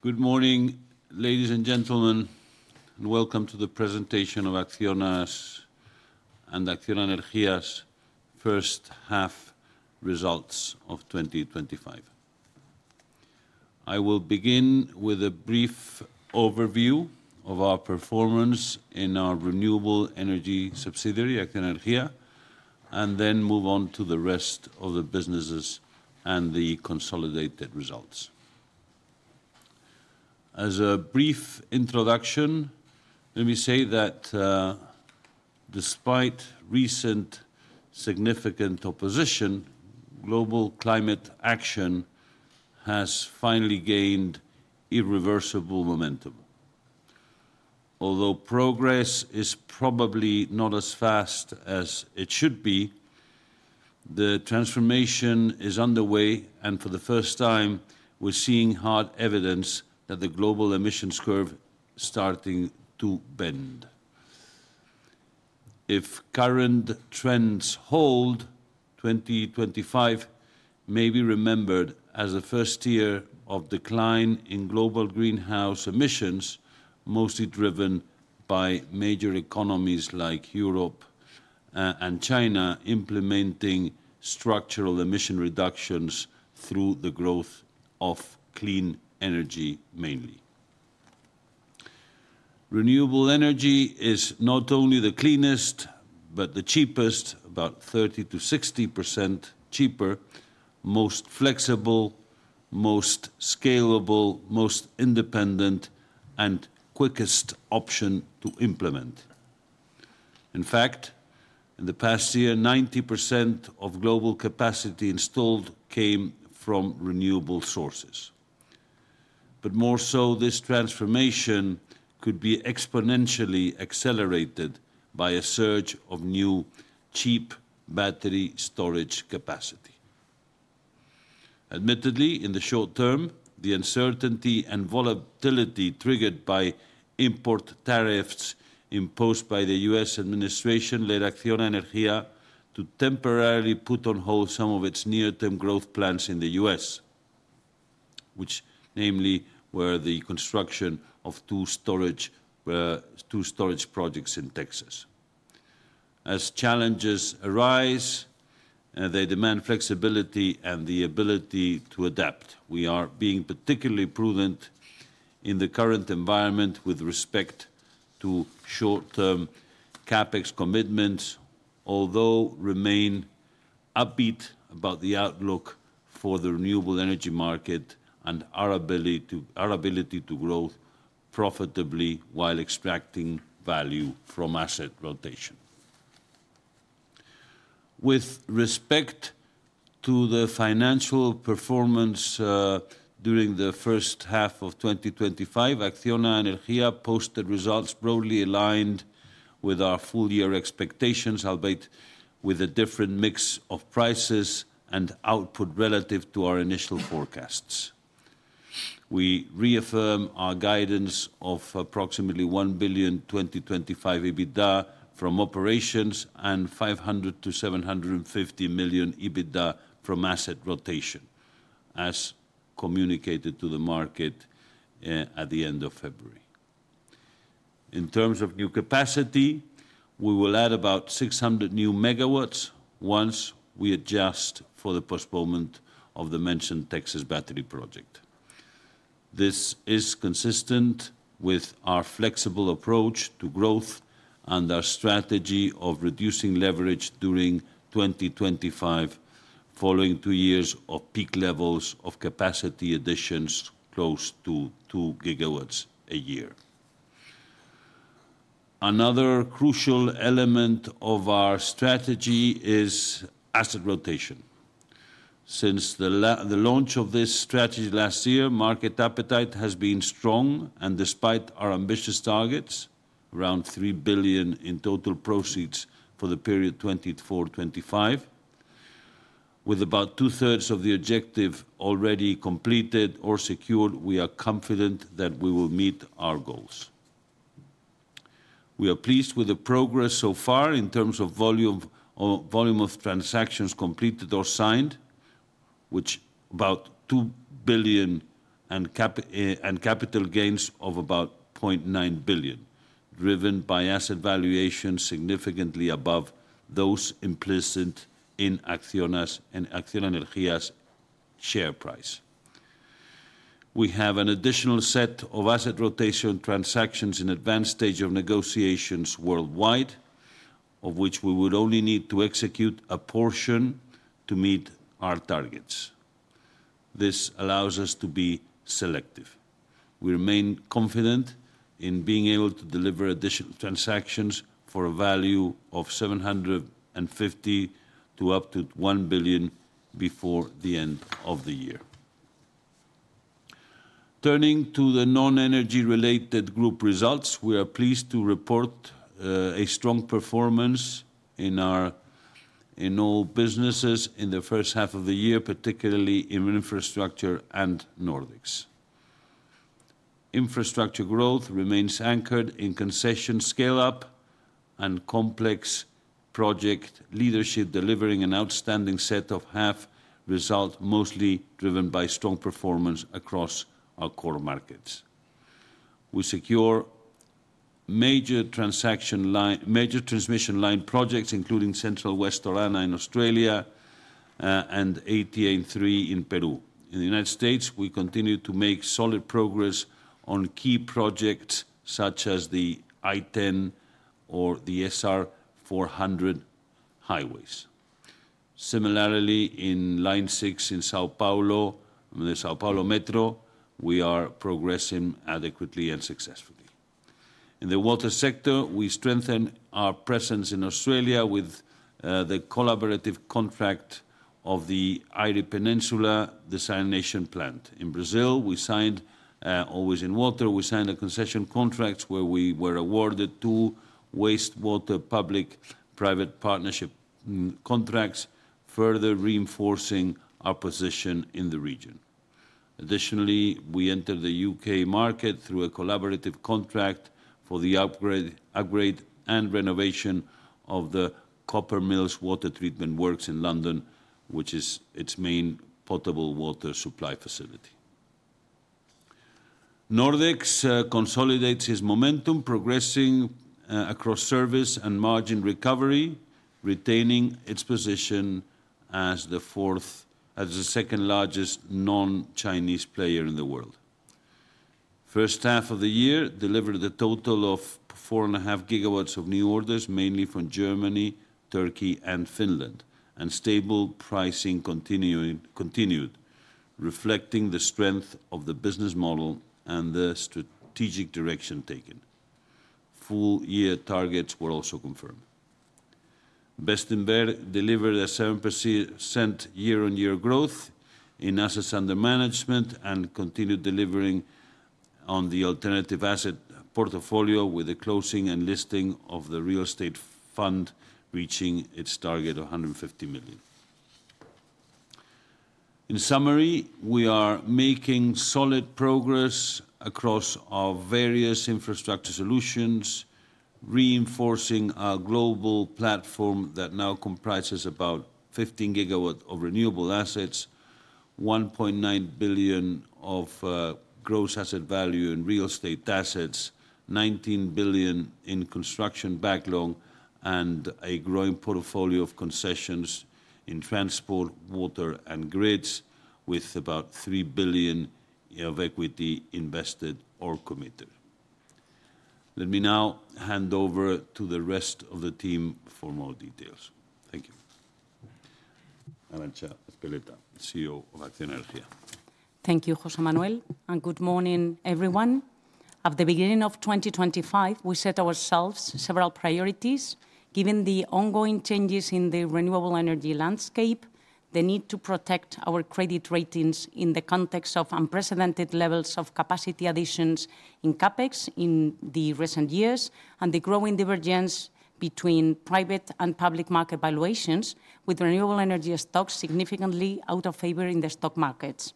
Good morning, ladies and gentlemen, and welcome to the presentation of ACCIONA's and ACCIONA Energía's first half results of 2025. I will begin with a brief overview of our performance in our renewable energy subsidiary, ACCIONA Energía, and then move on to the rest of the businesses and the consolidated results. As a brief introduction, let me say that despite recent significant opposition, global climate action has finally gained irreversible momentum. Although progress is probably not as fast as it should be, the transformation is underway, and for the first time, we're seeing hard evidence that the global emissions curve is starting to bend. If current trends hold, 2025 may be remembered as a first year of decline in global greenhouse emissions, mostly driven by major economies like Europe and China implementing structural emission reductions through the growth of clean energy mainly. Renewable energy is not only the cleanest but the cheapest, about 30%-60% cheaper, most flexible, most scalable, most independent, and quickest option to implement. In fact, in the past year, 90% of global capacity installed came from renewable sources. More so, this transformation could be exponentially accelerated by a surge of new cheap battery storage capacity. Admittedly, in the short term, the uncertainty and volatility triggered by import tariffs imposed by the U.S. administration led ACCIONA Energía to temporarily put on hold some of its near-term growth plans in the U.S., which namely were the construction of two storage projects in Texas. As challenges arise, they demand flexibility and the ability to adapt. We are being particularly prudent in the current environment with respect to short-term CapEx commitments, although we remain upbeat about the outlook for the renewable energy market and our ability to grow profitably while extracting value from asset rotation. With respect to the financial performance, during the first half of 2025, ACCIONA Energía posted results broadly aligned with our full-year expectations, albeit with a different mix of prices and output relative to our initial forecasts. We reaffirm our guidance of approximately 1 billion 2025 EBITDA from operations and 500 million-750 million EBITDA from asset rotation, as communicated to the market at the end of February. In terms of new capacity, we will add about 600 new megawatts once we adjust for the postponement of the mentioned Texas battery project. This is consistent with our flexible approach to growth and our strategy of reducing leverage during 2025. Following two years of peak levels of capacity additions close to 2 GW a year. Another crucial element of our strategy is asset rotation. Since the launch of this strategy last year, market appetite has been strong, and despite our ambitious targets—around 3 billion in total proceeds for the period 2024-2025. With about two-thirds of the objective already completed or secured—we are confident that we will meet our goals. We are pleased with the progress so far in terms of volume of transactions completed or signed, which is about 2 billion and capital gains of about 0.9 billion, driven by asset valuations significantly above those implicit in ACCIONA's and ACCIONA Energía's share price. We have an additional set of asset rotation transactions in the advanced stage of negotiations worldwide, of which we would only need to execute a portion to meet our targets. This allows us to be selective. We remain confident in being able to deliver additional transactions for a value of 750 million to up to 1 billion before the end of the year. Turning to the non-energy-related group results, we are pleased to report a strong performance in all businesses in the first half of the year, particularly in infrastructure and Nordex. Infrastructure growth remains anchored in concession scale-up and complex project leadership, delivering an outstanding set of half results, mostly driven by strong performance across our core markets. We secure major transmission line projects, including Central-West Orana in Australia and ATAN-3 in Peru. In the United States, we continue to make solid progress on key projects such as the I-10 or the SR 400 highways. Similarly, in Line 6 in São Paulo, the São Paulo Metro, we are progressing adequately and successfully. In the water sector, we strengthen our presence in Australia with the collaborative contract of the Eyre Peninsula Desalination Plant. In Brazil, we signed—always in water—we signed a concession contract where we were awarded two wastewater public-private partnership contracts, further reinforcing our position in the region. Additionally, we enter the U.K. market through a collaborative contract for the upgrade and renovation of the Coppermills Water Treatment Works in London, which is its main potable water supply facility. Nordex consolidates its momentum, progressing across service and margin recovery, retaining its position as the second-largest non-Chinese player in the world. The first half of the year delivered a total of 4.5 GW of new orders, mainly from Germany, Turkey, and Finland, and stable pricing continued, reflecting the strength of the business model and the strategic direction taken. Full-year targets were also confirmed. Bestinver delivered a 7% year-on-year growth in assets under management and continued delivering on the alternative asset portfolio with the closing and listing of the real estate fund, reaching its target of 150 million. In summary, we are making solid progress across our various infrastructure solutions, reinforcing our global platform that now comprises about 15 GW of renewable assets, 1.9 billion of gross asset value in real estate assets, 19 billion in construction backlog, and a growing portfolio of concessions in transport, water, and grids, with about 3 billion of equity invested or committed. Let me now hand over to the rest of the team for more details. Thank you. Arantza Ezpeleta, CEO of ACCIONA Energía. Thank you, José Manuel, and good morning, everyone. At the beginning of 2025, we set ourselves several priorities, given the ongoing changes in the renewable energy landscape, the need to protect our credit ratings in the context of unprecedented levels of capacity additions in CapEx in the recent years, and the growing divergence between private and public market valuations, with renewable energy stocks significantly out of favor in the stock markets.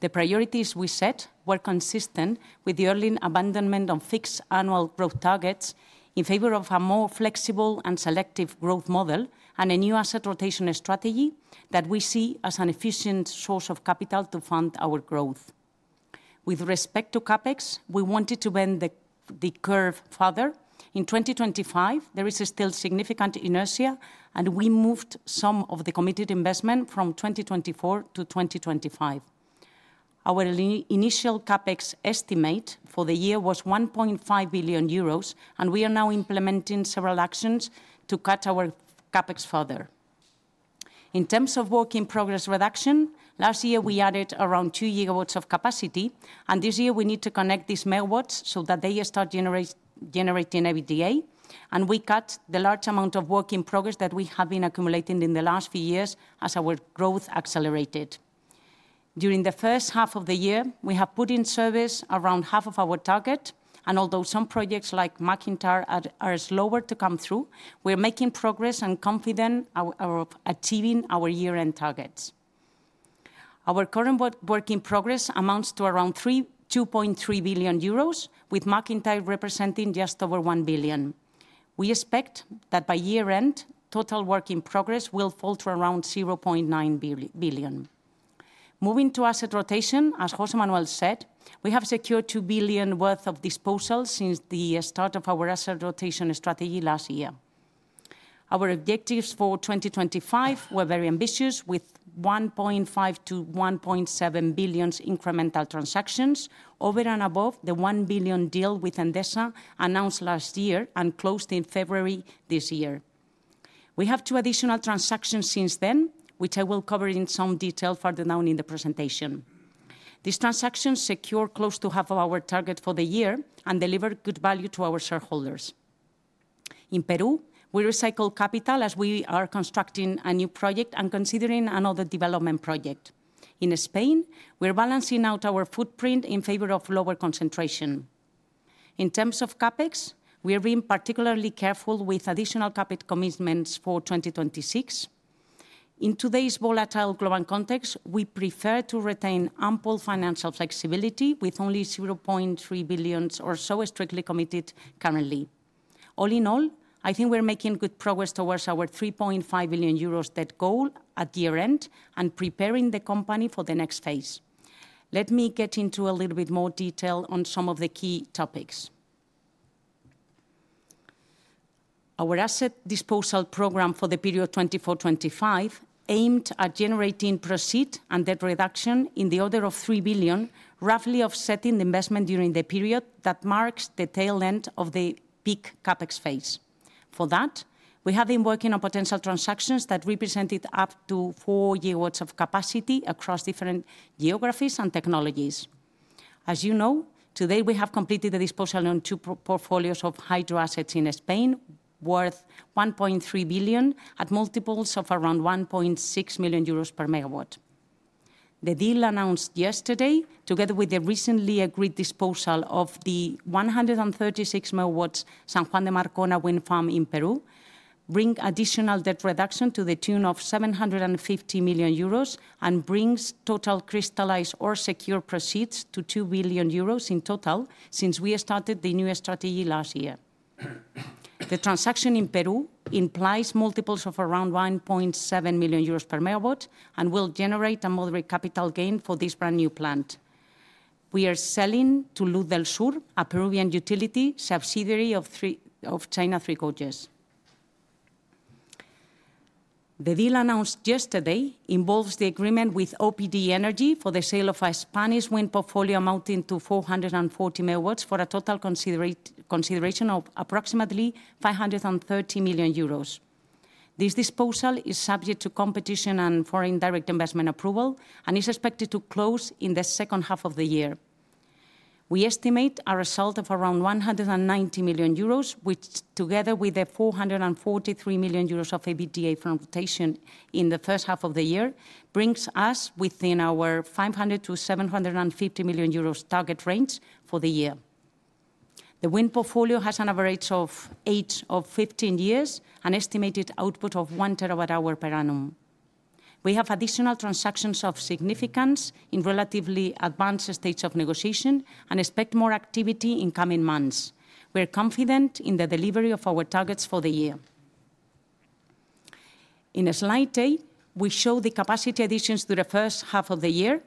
The priorities we set were consistent with the early abandonment of fixed annual growth targets in favor of a more flexible and selective growth model and a new asset rotation strategy that we see as an efficient source of capital to fund our growth. With respect to CapEx, we wanted to bend the curve further. In 2025, there is still significant inertia, and we moved some of the committed investment from 2024 to 2025. Our initial CapEx estimate for the year was 1.5 billion euros, and we are now implementing several actions to cut our CapEx further. In terms of work in progress reduction, last year we added around 2 GW of capacity, and this year we need to connect these megawatts so that they start generating EBITDA, and we cut the large amount of work in progress that we have been accumulating in the last few years as our growth accelerated. During the first half of the year, we have put in service around half of our target, and although some projects like MacIntyre are slower to come through, we are making progress and confident in achieving our year-end targets. Our current work in progress amounts to around 2.3 billion euros, with MacIntyre representing just over 1 billion. We expect that by year-end, total work in progress will fall to around 0.9 billion. Moving to asset rotation, as José Manuel said, we have secured 2 billion worth of disposals since the start of our asset rotation strategy last year. Our objectives for 2025 were very ambitious, with 1.5 billion-1.7 billion incremental transactions, over and above the 1 billion deal with Endesa announced last year and closed in February this year. We have two additional transactions since then, which I will cover in some detail further down in the presentation. These transactions secure close to half of our target for the year and deliver good value to our shareholders. In Peru, we recycle capital as we are constructing a new project and considering another development project. In Spain, we are balancing out our footprint in favor of lower concentration. In terms of CapEx, we are being particularly careful with additional CapEx commitments for 2026. In today's volatile global context, we prefer to retain ample financial flexibility with only 0.3 billion or so strictly committed currently. All in all, I think we're making good progress towards our 3.5 billion euros debt goal at year-end and preparing the company for the next phase. Let me get into a little bit more detail on some of the key topics. Our asset disposal program for the period 2024-2025 aimed at generating proceeds and debt reduction in the order of 3 billion, roughly offsetting the investment during the period that marks the tail end of the peak CapEx phase. For that, we have been working on potential transactions that represented up to 4 GW of capacity across different geographies and technologies. As you know, today we have completed the disposal on two portfolios of hydro assets in Spain worth 1.3 billion at multiples of around 1.6 million euros per megawatt. The deal announced yesterday, together with the recently agreed disposal of the 136 MW San Juan de Marcona Wind Farm in Peru, brings additional debt reduction to the tune of 750 million euros and brings total crystallized or secured proceeds to 2 billion euros in total since we started the new strategy last year. The transaction in Peru implies multiples of around 1.7 million euros per megawatt and will generate a moderate capital gain for this brand new plant. We are selling to Luz del Sur, a Peruvian utility subsidiary of China Three Gorges. The deal announced yesterday involves the agreement with Opdenergy for the sale of a Spanish wind portfolio amounting to 440 MW for a total consideration of approximately 530 million euros. This disposal is subject to competition and foreign direct investment approval and is expected to close in the second half of the year. We estimate a result of around 190 million euros, which, together with the 443 million euros of EBITDA from rotation in the first half of the year, brings us within our 500 million-750 million euros target range for the year. The wind portfolio has an average age of 15 years and an estimated output of 1 TWh per annum. We have additional transactions of significance in relatively advanced stages of negotiation and expect more activity in coming months. We are confident in the delivery of our targets for the year. In slide 8, we show the capacity additions to the first half of the year.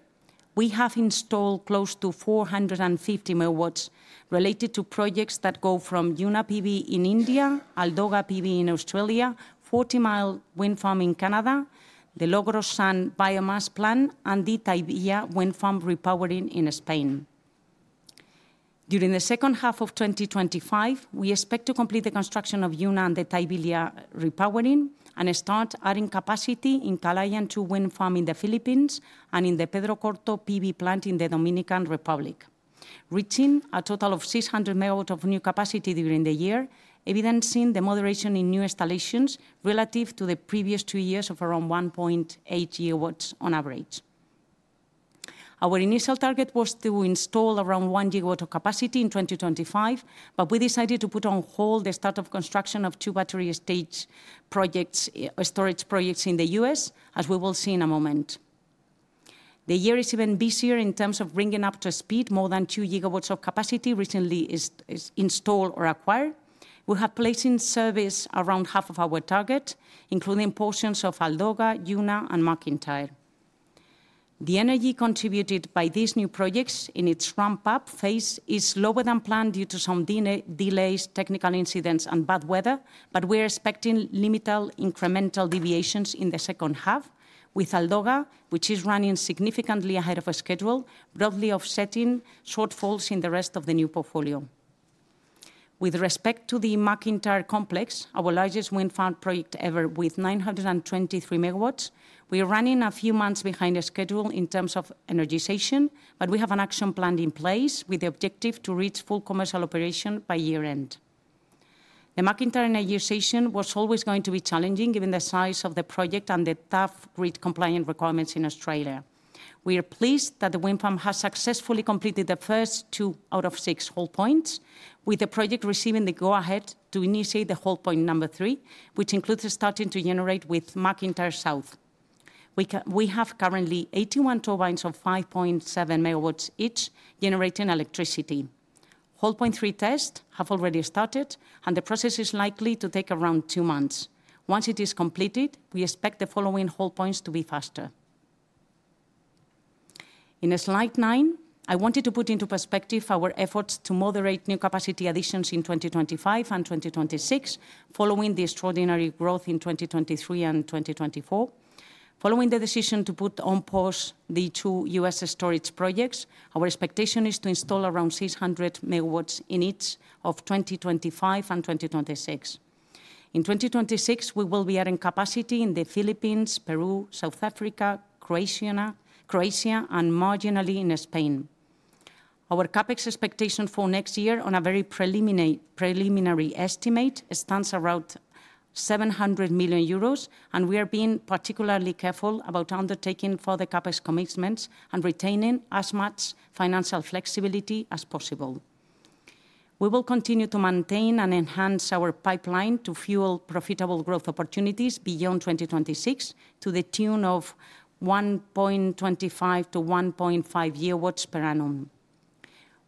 We have installed close to 450 MW related to projects that go from Juna PV in India, Aldoga PV in Australia, Forty Mile Wind Farm in Canada, the Logrosan Biomass Plant, and the Tahivilla Wind Farm repowering in Spain. During the second half of 2025, we expect to complete the construction of Juna and the Tahivilla repowering and start adding capacity in Kalayaan 2 Wind Farm in the Philippines and in the Pedro Corto PV plant in the Dominican Republic, reaching a total of 600 MW of new capacity during the year, evidencing the moderation in new installations relative to the previous two years of around 1.8 GW on average. Our initial target was to install around 1 GW of capacity in 2025, but we decided to put on hold the start of construction of two battery stage storage projects in the U.S., as we will see in a moment. The year is even busier in terms of bringing up to speed more than 2 GW of capacity recently installed or acquired. We have placed in service around half of our target, including portions of Aldoga, Juna, and MacIntyre. The energy contributed by these new projects in its ramp-up phase is lower than planned due to some delays, technical incidents, and bad weather, but we are expecting liminal incremental deviations in the second half, with Aldoga, which is running significantly ahead of schedule, broadly offsetting shortfalls in the rest of the new portfolio. With respect to the MacIntyre complex, our largest wind farm project ever with 923 MW, we are running a few months behind the schedule in terms of energization, but we have an action plan in place with the objective to reach full commercial operation by year-end. The MacIntyre energization was always going to be challenging given the size of the project and the tough grid-compliant requirements in Australia. We are pleased that the wind farm has successfully completed the first two out of six hold points, with the project receiving the go-ahead to initiate the hold point number three, which includes starting to generate with MacIntyre South. We have currently 81 turbines of 5.7 MW each generating electricity. Hold point three tests have already started, and the process is likely to take around two months. Once it is completed, we expect the following hold points to be faster. In slide 9, I wanted to put into perspective our efforts to moderate new capacity additions in 2025 and 2026, following the extraordinary growth in 2023 and 2024. Following the decision to put on pause the two U.S. storage projects, our expectation is to install around 600 MW in each of 2025 and 2026. In 2026, we will be adding capacity in the Philippines, Peru, South Africa, Croatia, and marginally in Spain. Our CapEx expectation for next year, on a very preliminary estimate, stands around 700 million euros, and we are being particularly careful about undertaking further CapEx commitments and retaining as much financial flexibility as possible. We will continue to maintain and enhance our pipeline to fuel profitable growth opportunities beyond 2026 to the tune of 1.25-1.5 GW per annum.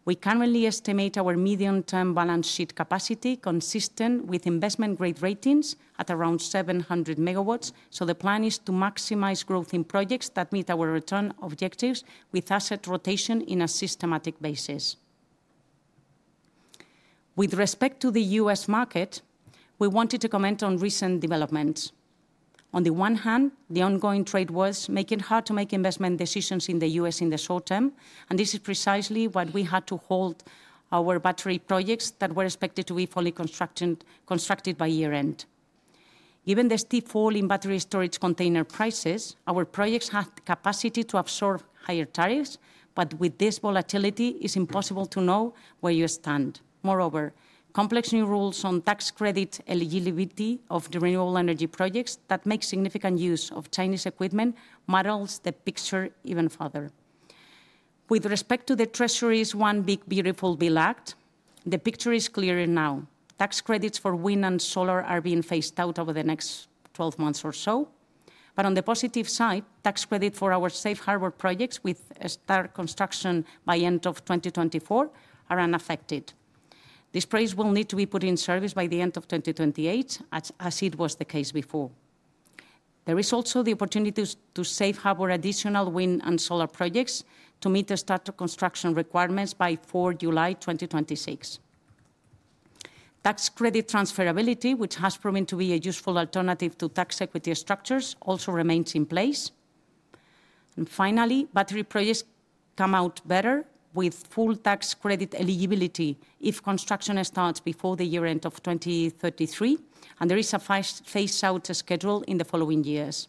We currently estimate our medium-term balance sheet capacity consistent with investment-grade ratings at around 700 MW, so the plan is to maximize growth in projects that meet our return objectives with asset rotation on a systematic basis. With respect to the U.S. market, we wanted to comment on recent developments. On the one hand, the ongoing trade wars make it hard to make investment decisions in the U.S. in the short term, and this is precisely why we had to hold our battery projects that were expected to be fully constructed by year-end. Given the steep fall in battery storage container prices, our projects had the capacity to absorb higher tariffs, but with this volatility, it is impossible to know where you stand. Moreover, complex new rules on tax credit eligibility of the renewable energy projects that make significant use of Chinese equipment muddle the picture even further. With respect to the Treasury's One Big Beautiful Bill Act, the picture is clearer now. Tax credits for wind and solar are being phased out over the next 12 months or so, but on the positive side, tax credits for our safe harbor projects with start construction by the end of 2024 are unaffected. This phase will need to be put in service by the end of 2028, as it was the case before. There is also the opportunity to safe harbor additional wind and solar projects to meet the start construction requirements by 4 July 2026. Tax credit transferability, which has proven to be a useful alternative to tax equity structures, also remains in place. Finally, battery projects come out better with full tax credit eligibility if construction starts before the year-end of 2033, and there is a phase-out schedule in the following years.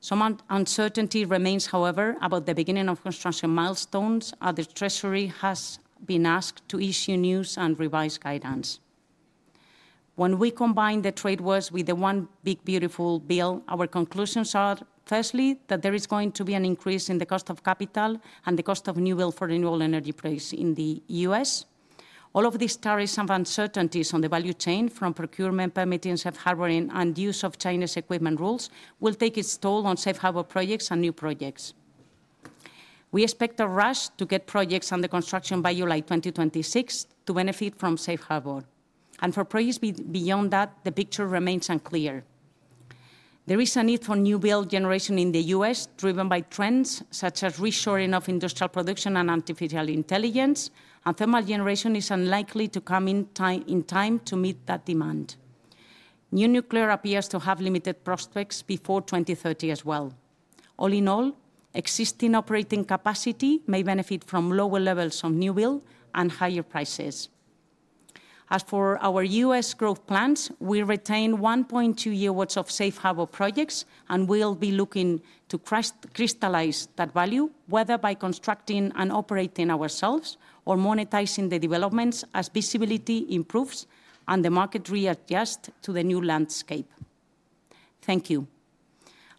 Some uncertainty remains, however, about the beginning of construction milestones as the Treasury has been asked to issue news and revise guidance. When we combine the trade wars with the One Big Beautiful Bill, our conclusions are, firstly, that there is going to be an increase in the cost of capital and the cost of new builds for renewable energy projects in the U.S. All of these tariffs and uncertainties on the value chain from procurement, permitting, safe harboring, and use of Chinese equipment rules will take its toll on safe harbor projects and new projects. We expect a rush to get projects under construction by July 2026 to benefit from safe harbor. For projects beyond that, the picture remains unclear. There is a need for new build generation in the U.S. driven by trends such as reshoring of industrial production and artificial intelligence, and thermal generation is unlikely to come in time to meet that demand. New nuclear appears to have limited prospects before 2030 as well. All in all, existing operating capacity may benefit from lower levels of new builds and higher prices. As for our U.S. growth plans, we retain 1.2 GW of safe harbor projects and will be looking to crystallize that value, whether by constructing and operating ourselves or monetizing the developments as visibility improves and the market readjusts to the new landscape. Thank you.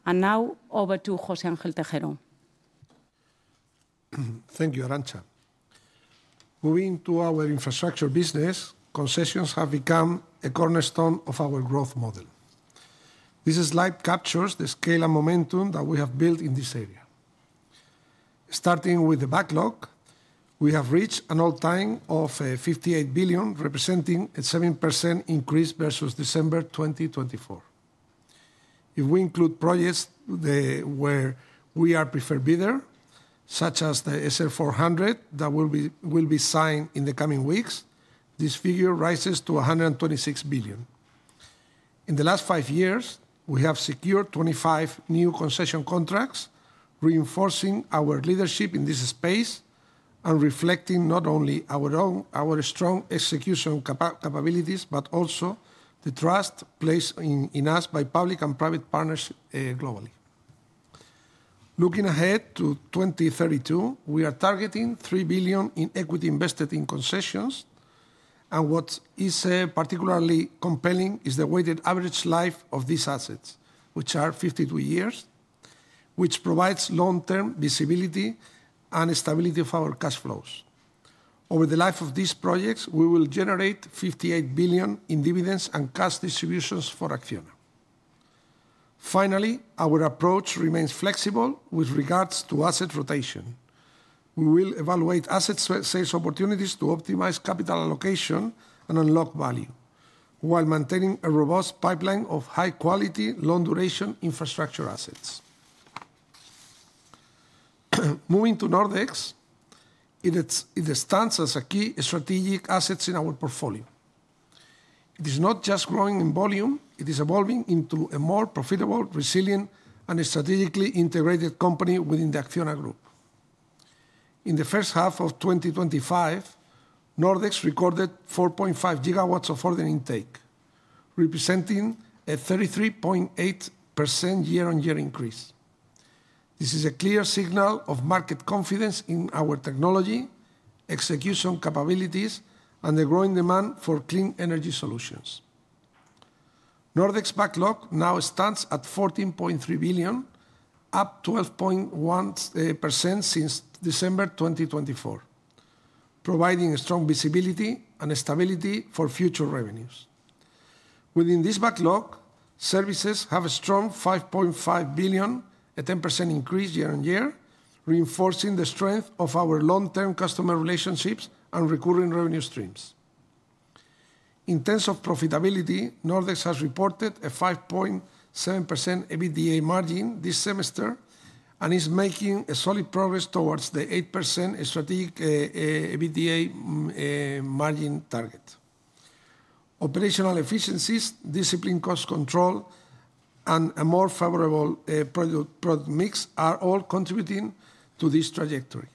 Now over to José Ángel Tejero. Thank you, Arantza. Moving to our infrastructure business, concessions have become a cornerstone of our growth model. This slide captures the scale and momentum that we have built in this area. Starting with the backlog, we have reached an all-time of 58 billion, representing a 7% increase versus December 2024. If we include projects where we are preferred bidders, such as the SL400 that will be signed in the coming weeks, this figure rises to 126 billion. In the last five years, we have secured 25 new concession contracts, reinforcing our leadership in this space and reflecting not only our strong execution capabilities but also the trust placed in us by public and private partners globally. Looking ahead to 2032, we are targeting 3 billion in equity invested in concessions, and what is particularly compelling is the weighted average life of these assets, which is 52 years, which provides long-term visibility and stability of our cash flows. Over the life of these projects, we will generate 58 billion in dividends and cash distributions for ACCIONA. Finally, our approach remains flexible with regards to asset rotation. We will evaluate asset sales opportunities to optimize capital allocation and unlock value while maintaining a robust pipeline of high-quality, long-duration infrastructure assets. Moving to Nordex. It stands as a key strategic asset in our portfolio. It is not just growing in volume; it is evolving into a more profitable, resilient, and strategically integrated company within the ACCIONA Group. In the first half of 2025, Nordex recorded 4.5 GW of order intake, representing a 33.8% year-on-year increase. This is a clear signal of market confidence in our technology, execution capabilities, and the growing demand for clean energy solutions. Nordex backlog now stands at 14.3 billion, up 12.1% since December 2024, providing strong visibility and stability for future revenues. Within this backlog, services have a strong 5.5 billion, a 10% increase year-on-year, reinforcing the strength of our long-term customer relationships and recurring revenue streams. In terms of profitability, Nordex has reported a 5.7% EBITDA margin this semester and is making solid progress towards the 8% strategic EBITDA margin target. Operational efficiencies, disciplined cost control, and a more favorable product mix are all contributing to this trajectory.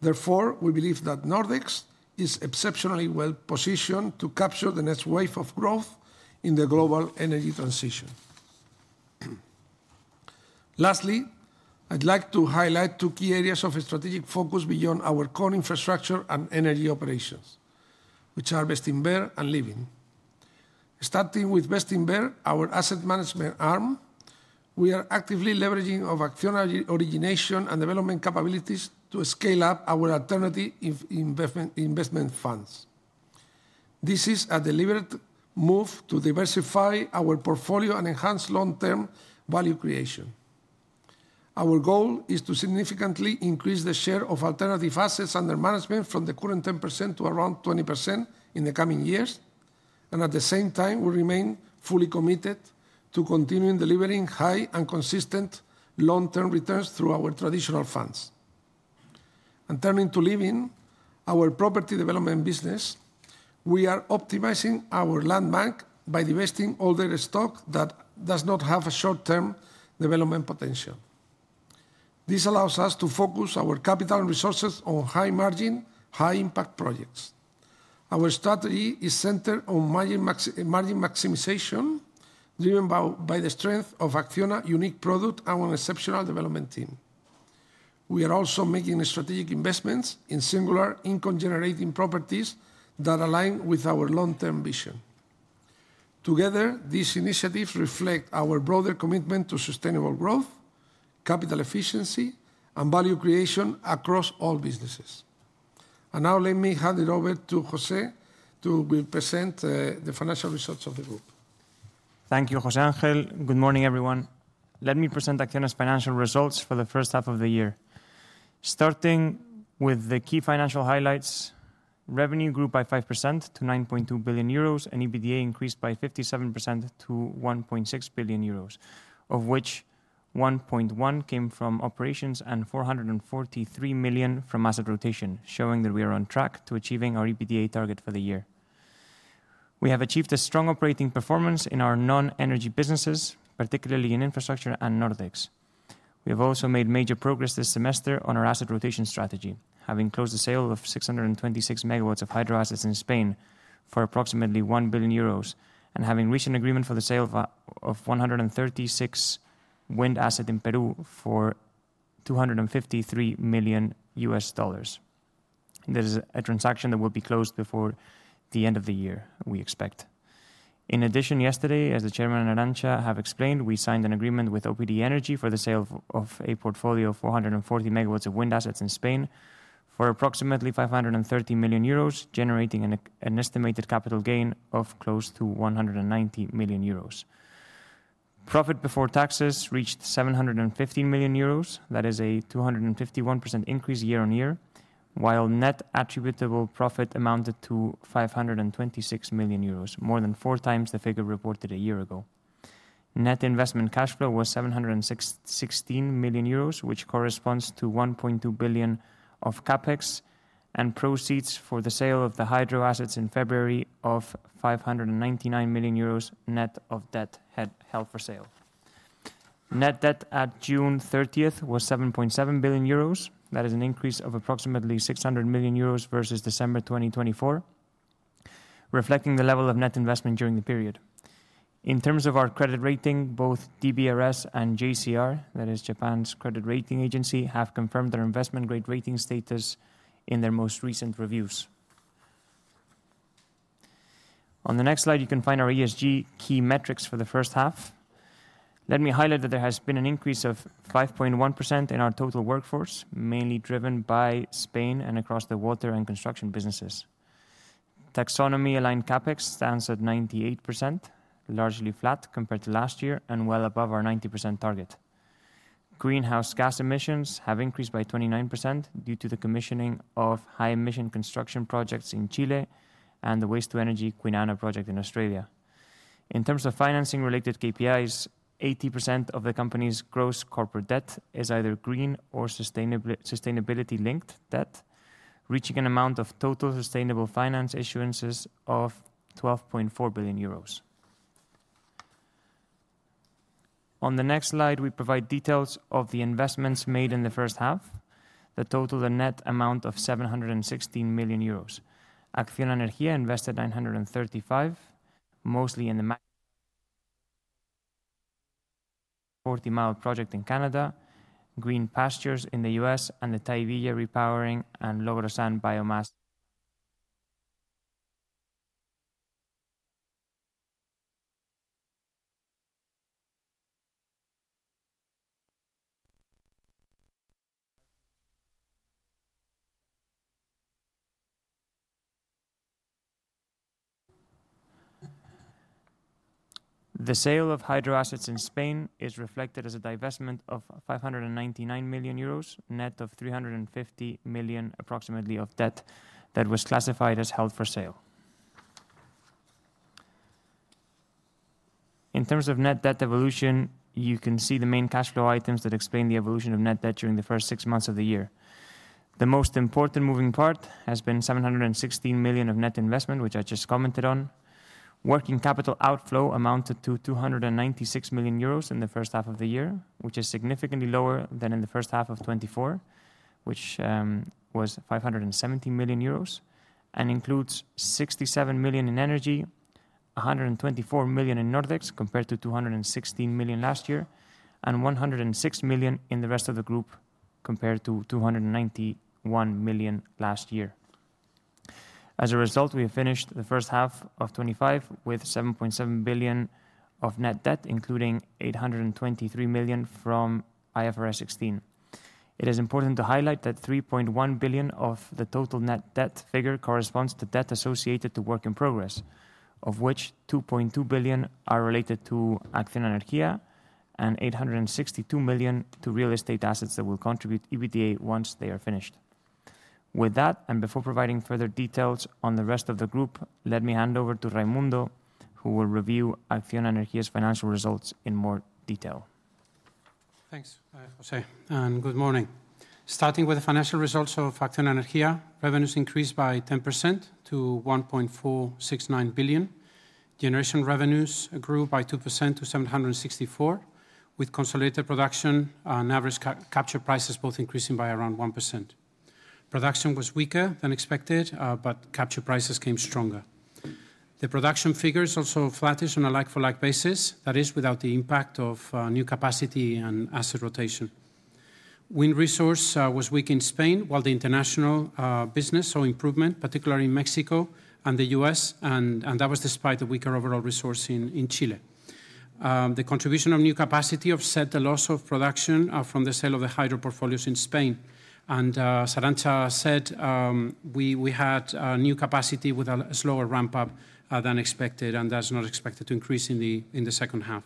Therefore, we believe that Nordex is exceptionally well-positioned to capture the next wave of growth in the global energy transition. Lastly, I'd like to highlight two key areas of strategic focus beyond our core infrastructure and energy operations, which are Bestinver and Living. Starting with Bestinver, our asset management arm, we are actively leveraging our ACCIONA origination and development capabilities to scale up our alternative investment funds. This is a deliberate move to diversify our portfolio and enhance long-term value creation. Our goal is to significantly increase the share of alternative assets under management from the current 10% to around 20% in the coming years, and at the same time, we remain fully committed to continuing delivering high and consistent long-term returns through our traditional funds. Turning to Living, our property development business, we are optimizing our land bank by divesting older stock that does not have short-term development potential. This allows us to focus our capital and resources on high-margin, high-impact projects. Our strategy is centered on margin maximization, driven by the strength of ACCIONA's unique product and an exceptional development team. We are also making strategic investments in singular income-generating properties that align with our long-term vision. Together, these initiatives reflect our broader commitment to sustainable growth, capital efficiency, and value creation across all businesses. Now, let me hand it over to Jose to present the financial results of the group. Thank you, José Ángel. Good morning, everyone. Let me present ACCIONA's financial results for the first half of the year. Starting with the key financial highlights, revenue grew by 5% to 9.2 billion euros, and EBITDA increased by 57% to 1.6 billion euros, of which 1.1 billion came from operations and 443 million from asset rotation, showing that we are on track to achieving our EBITDA target for the year. We have achieved a strong operating performance in our non-energy businesses, particularly in infrastructure and Nordex. We have also made major progress this semester on our asset rotation strategy, having closed the sale of 626 MW of hydroassets in Spain for approximately 1 billion euros and having reached an agreement for the sale of 136 wind assets in Peru for $253 million. This is a transaction that will be closed before the end of the year, we expect. In addition, yesterday, as the Chairman and Arantza have explained, we signed an agreement with Opdenergy for the sale of a portfolio of 440 MW of wind assets in Spain for approximately 530 million euros, generating an estimated capital gain of close to 190 million euros. Profit before taxes reached 715 million euros, that is a 251% increase year-on-year, while net attributable profit amounted to 526 million euros, more than four times the figure reported a year ago. Net investment cash flow was 716 million euros, which corresponds to 1.2 billion of CapEx and proceeds for the sale of the hydroassets in February of 599 million euros net of debt held for sale. Net debt at June 30th was 7.7 billion euros. That is an increase of approximately 600 million euros versus December 2024, reflecting the level of net investment during the period. In terms of our credit rating, both DBRS and JCR, that is Japan's credit rating agency, have confirmed their investment-grade rating status in their most recent reviews. On the next slide, you can find our ESG key metrics for the first half. Let me highlight that there has been an increase of 5.1% in our total workforce, mainly driven by Spain and across the water and construction businesses. Taxonomy-aligned CapEx stands at 98%, largely flat compared to last year and well above our 90% target. Greenhouse gas emissions have increased by 29% due to the commissioning of high-emission construction projects in Chile and the waste-to-energy Kwinana project in Australia. In terms of financing-related KPIs, 80% of the company's gross corporate debt is either green or sustainability-linked debt, reaching an amount of total sustainable finance issuances of EUR 12.4 billion. On the next slide, we provide details of the investments made in the first half, the total net amount of 716 million euros. ACCIONA Energía invested 935 million, mostly in the Forty Mile project in Canada, Green Pastures in the U.S., and the Tahivilla Repowering and Logrosan Biomass. The sale of hydroassets in Spain is reflected as a divestment of 599 million euros, net of 350 million approximately of debt that was classified as held for sale. In terms of net debt evolution, you can see the main cash flow items that explain the evolution of net debt during the first six months of the year. The most important moving part has been 716 million of net investment, which I just commented on. Working capital outflow amounted to 296 million euros in the first half of the year, which is significantly lower than in the first half of 2024, which was 570 million euros and includes 67 million in energy, 124 million in Nordex compared to 216 million last year, and 106 million in the rest of the group compared to 291 million last year. As a result, we have finished the first half of 2025 with 7.7 billion of net debt, including 823 million from IFRS 16. It is important to highlight that 3.1 billion of the total net debt figure corresponds to debt associated to work in progress, of which 2.2 billion are related to ACCIONA Energía and 862 million to real estate assets that will contribute EBITDA once they are finished. With that, and before providing further details on the rest of the group, let me hand over to Raimundo, who will review ACCIONA Energía's financial results in more detail. Thanks, José. And good morning. Starting with the financial results of ACCIONA Energía, revenues increased by 10% to 1.469 billion. Generation revenues grew by 2% to 764 million, with consolidated production and average capture prices both increasing by around 1%. Production was weaker than expected, but capture prices came stronger. The production figures also flattish on a like-for-like basis; that is, without the impact of new capacity and asset rotation. Wind resource was weak in Spain, while the international business saw improvement, particularly in Mexico and the U.S., and that was despite the weaker overall resource in Chile. The contribution of new capacity offset the loss of production from the sale of the hydro portfolios in Spain. As Arantza said, we had new capacity with a slower ramp-up than expected, and that's not expected to increase in the second half.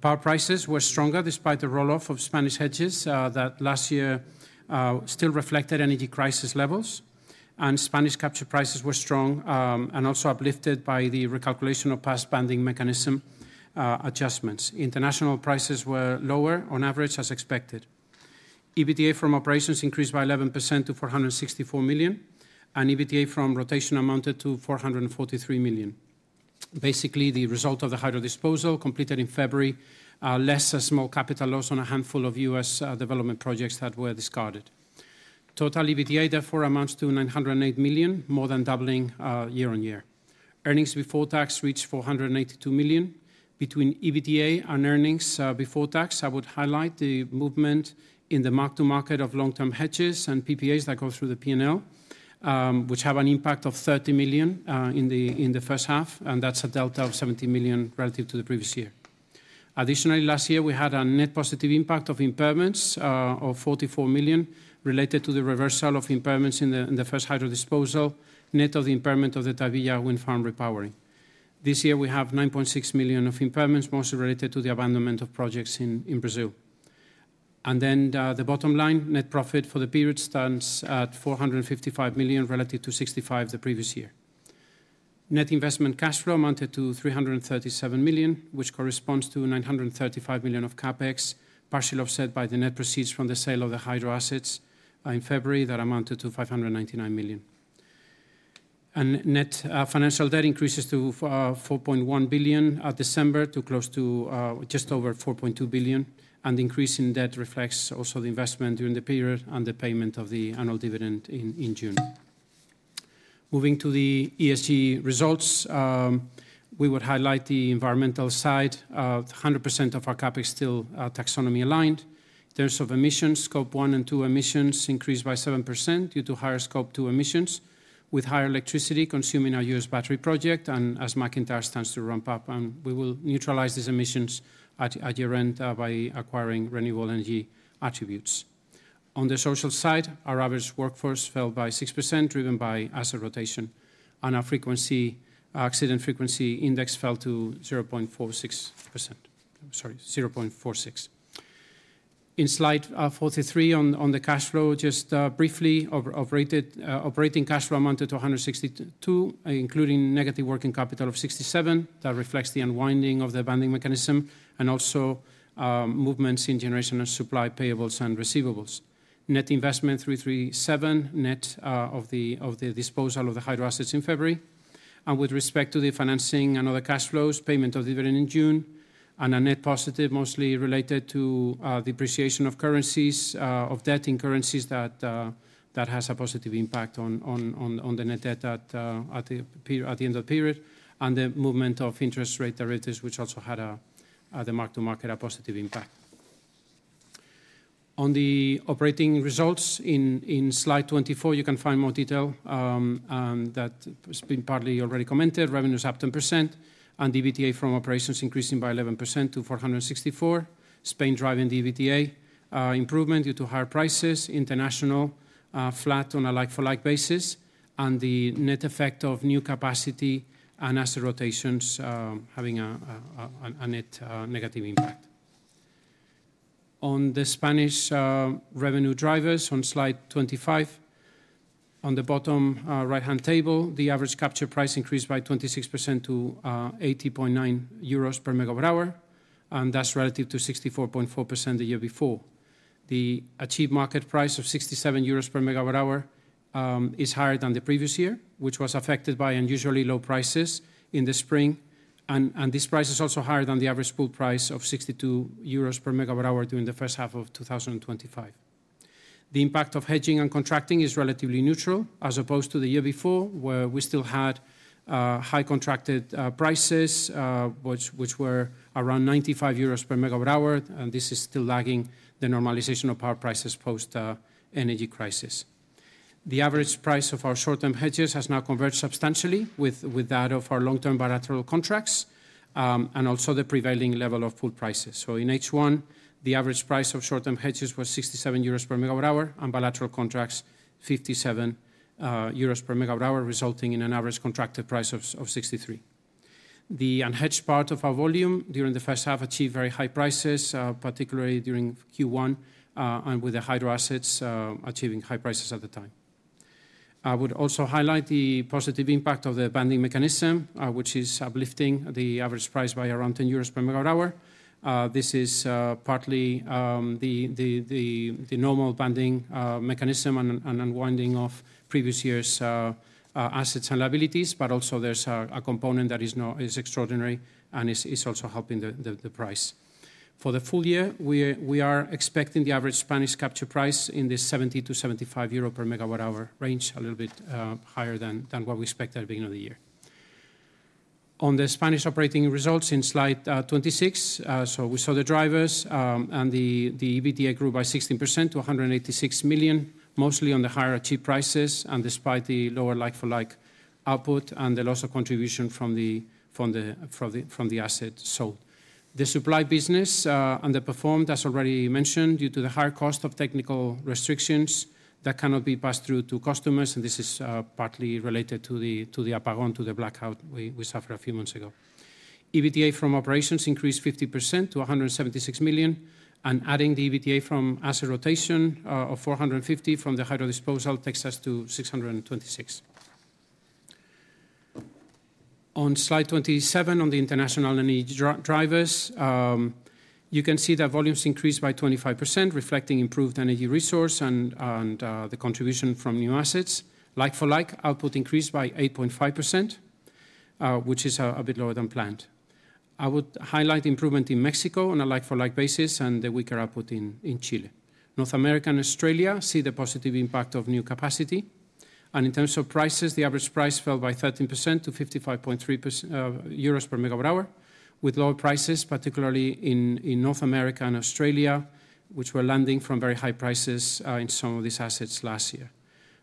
Power prices were stronger despite the roll-off of Spanish hedges that last year still reflected energy crisis levels, and Spanish capture prices were strong and also uplifted by the recalculation of past banding mechanism adjustments. International prices were lower on average as expected. EBITDA from operations increased by 11% to 464 million, and EBITDA from rotation amounted to 443 million. Basically, the result of the hydro disposal completed in February less a small capital loss on a handful of U.S. development projects that were discarded. Total EBITDA, therefore, amounts to 908 million, more than doubling year-on-year. Earnings before tax reached 482 million. Between EBITDA and earnings before tax, I would highlight the movement in the mark-to-market of long-term hedges and PPAs that go through the P&L, which have an impact of 30 million in the first half, and that's a delta of 70 million relative to the previous year. Additionally, last year, we had a net positive impact of impairments of 44 million related to the reversal of impairments in the first hydro disposal, net of the impairment of the Tahivilla Wind Farm repowering. This year, we have 9.6 million of impairments, mostly related to the abandonment of projects in Brazil. The bottom line, net profit for the period stands at 455 million relative to 65 million the previous year. Net investment cash flow amounted to 337 million, which corresponds to 935 million of CapEx, partially offset by the net proceeds from the sale of the hydroassets in February that amounted to 599 million. Net financial debt increases to 4.1 billion at December to close to just over 4.2 billion. The increase in debt reflects also the investment during the period and the payment of the annual dividend in June. Moving to the ESG results. We would highlight the environmental side. 100% of our CapEx still taxonomy-aligned. In terms of emissions, scope one and two emissions increased by 7% due to higher scope two emissions, with higher electricity consuming our U.S. battery project, and as MacIntyre stands to ramp up, and we will neutralize these emissions at year-end by acquiring renewable energy attributes. On the social side, our average workforce fell by 6%, driven by asset rotation, and our accident frequency index fell to 0.46. In slide 43, on the cash flow, just briefly, operating cash flow amounted to 162 million, including negative working capital of 67 million. That reflects the unwinding of the banding mechanism and also movements in generation and supply payables and receivables. Net investment 337 million, net of the disposal of the hydroassets in February. With respect to the financing and other cash flows, payment of dividend in June, and a net positive mostly related to depreciation of currencies, of debt in currencies that has a positive impact on the net debt at the end of the period, and the movement of interest rate derivatives, which also had a mark-to-market positive impact. On the operating results, in slide 24, you can find more detail. That's been partly already commented. Revenues up 10%, and EBITDA from operations increasing by 11% to 464 million. Spain driving EBITDA improvement due to higher prices, international flat on a like-for-like basis, and the net effect of new capacity and asset rotations having a net negative impact. On the Spanish revenue drivers, on slide 25. On the bottom right-hand table, the average capture price increased by 26% to 80.9 euros per megawatt hour, and that's relative to 64.4 the year before. The achieved market price of 67 euros per megawatt hour is higher than the previous year, which was affected by unusually low prices in the spring, and this price is also higher than the average pool price of 62 euros per megawatt hour during the first half of 2025. The impact of hedging and contracting is relatively neutral, as opposed to the year before, where we still had high contracted prices, which were around 95 euros per megawatt hour, and this is still lagging the normalization of power prices post-energy crisis. The average price of our short-term hedges has now converged substantially with that of our long-term bilateral contracts, and also the prevailing level of pool prices. In H1, the average price of short-term hedges was 67 euros per megawatt hour, and bilateral contracts 57 euros per megawatt hour, resulting in an average contracted price of 63. The unhedged part of our volume during the first half achieved very high prices, particularly during Q1, and with the hydroassets achieving high prices at the time. I would also highlight the positive impact of the banding mechanism, which is uplifting the average price by around 10 euros per megawatt hour. This is partly the normal banding mechanism and unwinding of previous year's assets and liabilities, but also there is a component that is extraordinary and is also helping the price. For the full year, we are expecting the average Spanish capture price in the 70-75 euro per megawatt hour range, a little bit higher than what we expected at the beginning of the year. On the Spanish operating results in slide 26, we saw the drivers, and the EBITDA grew by 16% to 186 million, mostly on the higher achieved prices, and despite the lower like-for-like output and the loss of contribution from the asset sold. The supply business underperformed, as already mentioned, due to the higher cost of technical restrictions that cannot be passed through to customers, and this is partly related to the apagón, to the blackout we suffered a few months ago. EBITDA from operations increased 50% to 176 million, and adding the EBITDA from asset rotation of 450 million from the hydro disposal takes us to 626 million. On slide 27, on the international energy drivers, you can see that volumes increased by 25%, reflecting improved energy resource and the contribution from new assets. Like-for-like output increased by 8.5%, which is a bit lower than planned. I would highlight the improvement in Mexico on a like-for-like basis and the weaker output in Chile. North America and Australia see the positive impact of new capacity. In terms of prices, the average price fell by 13% to 55.3 euros per megawatt hour, with lower prices, particularly in North America and Australia, which were landing from very high prices in some of these assets last year.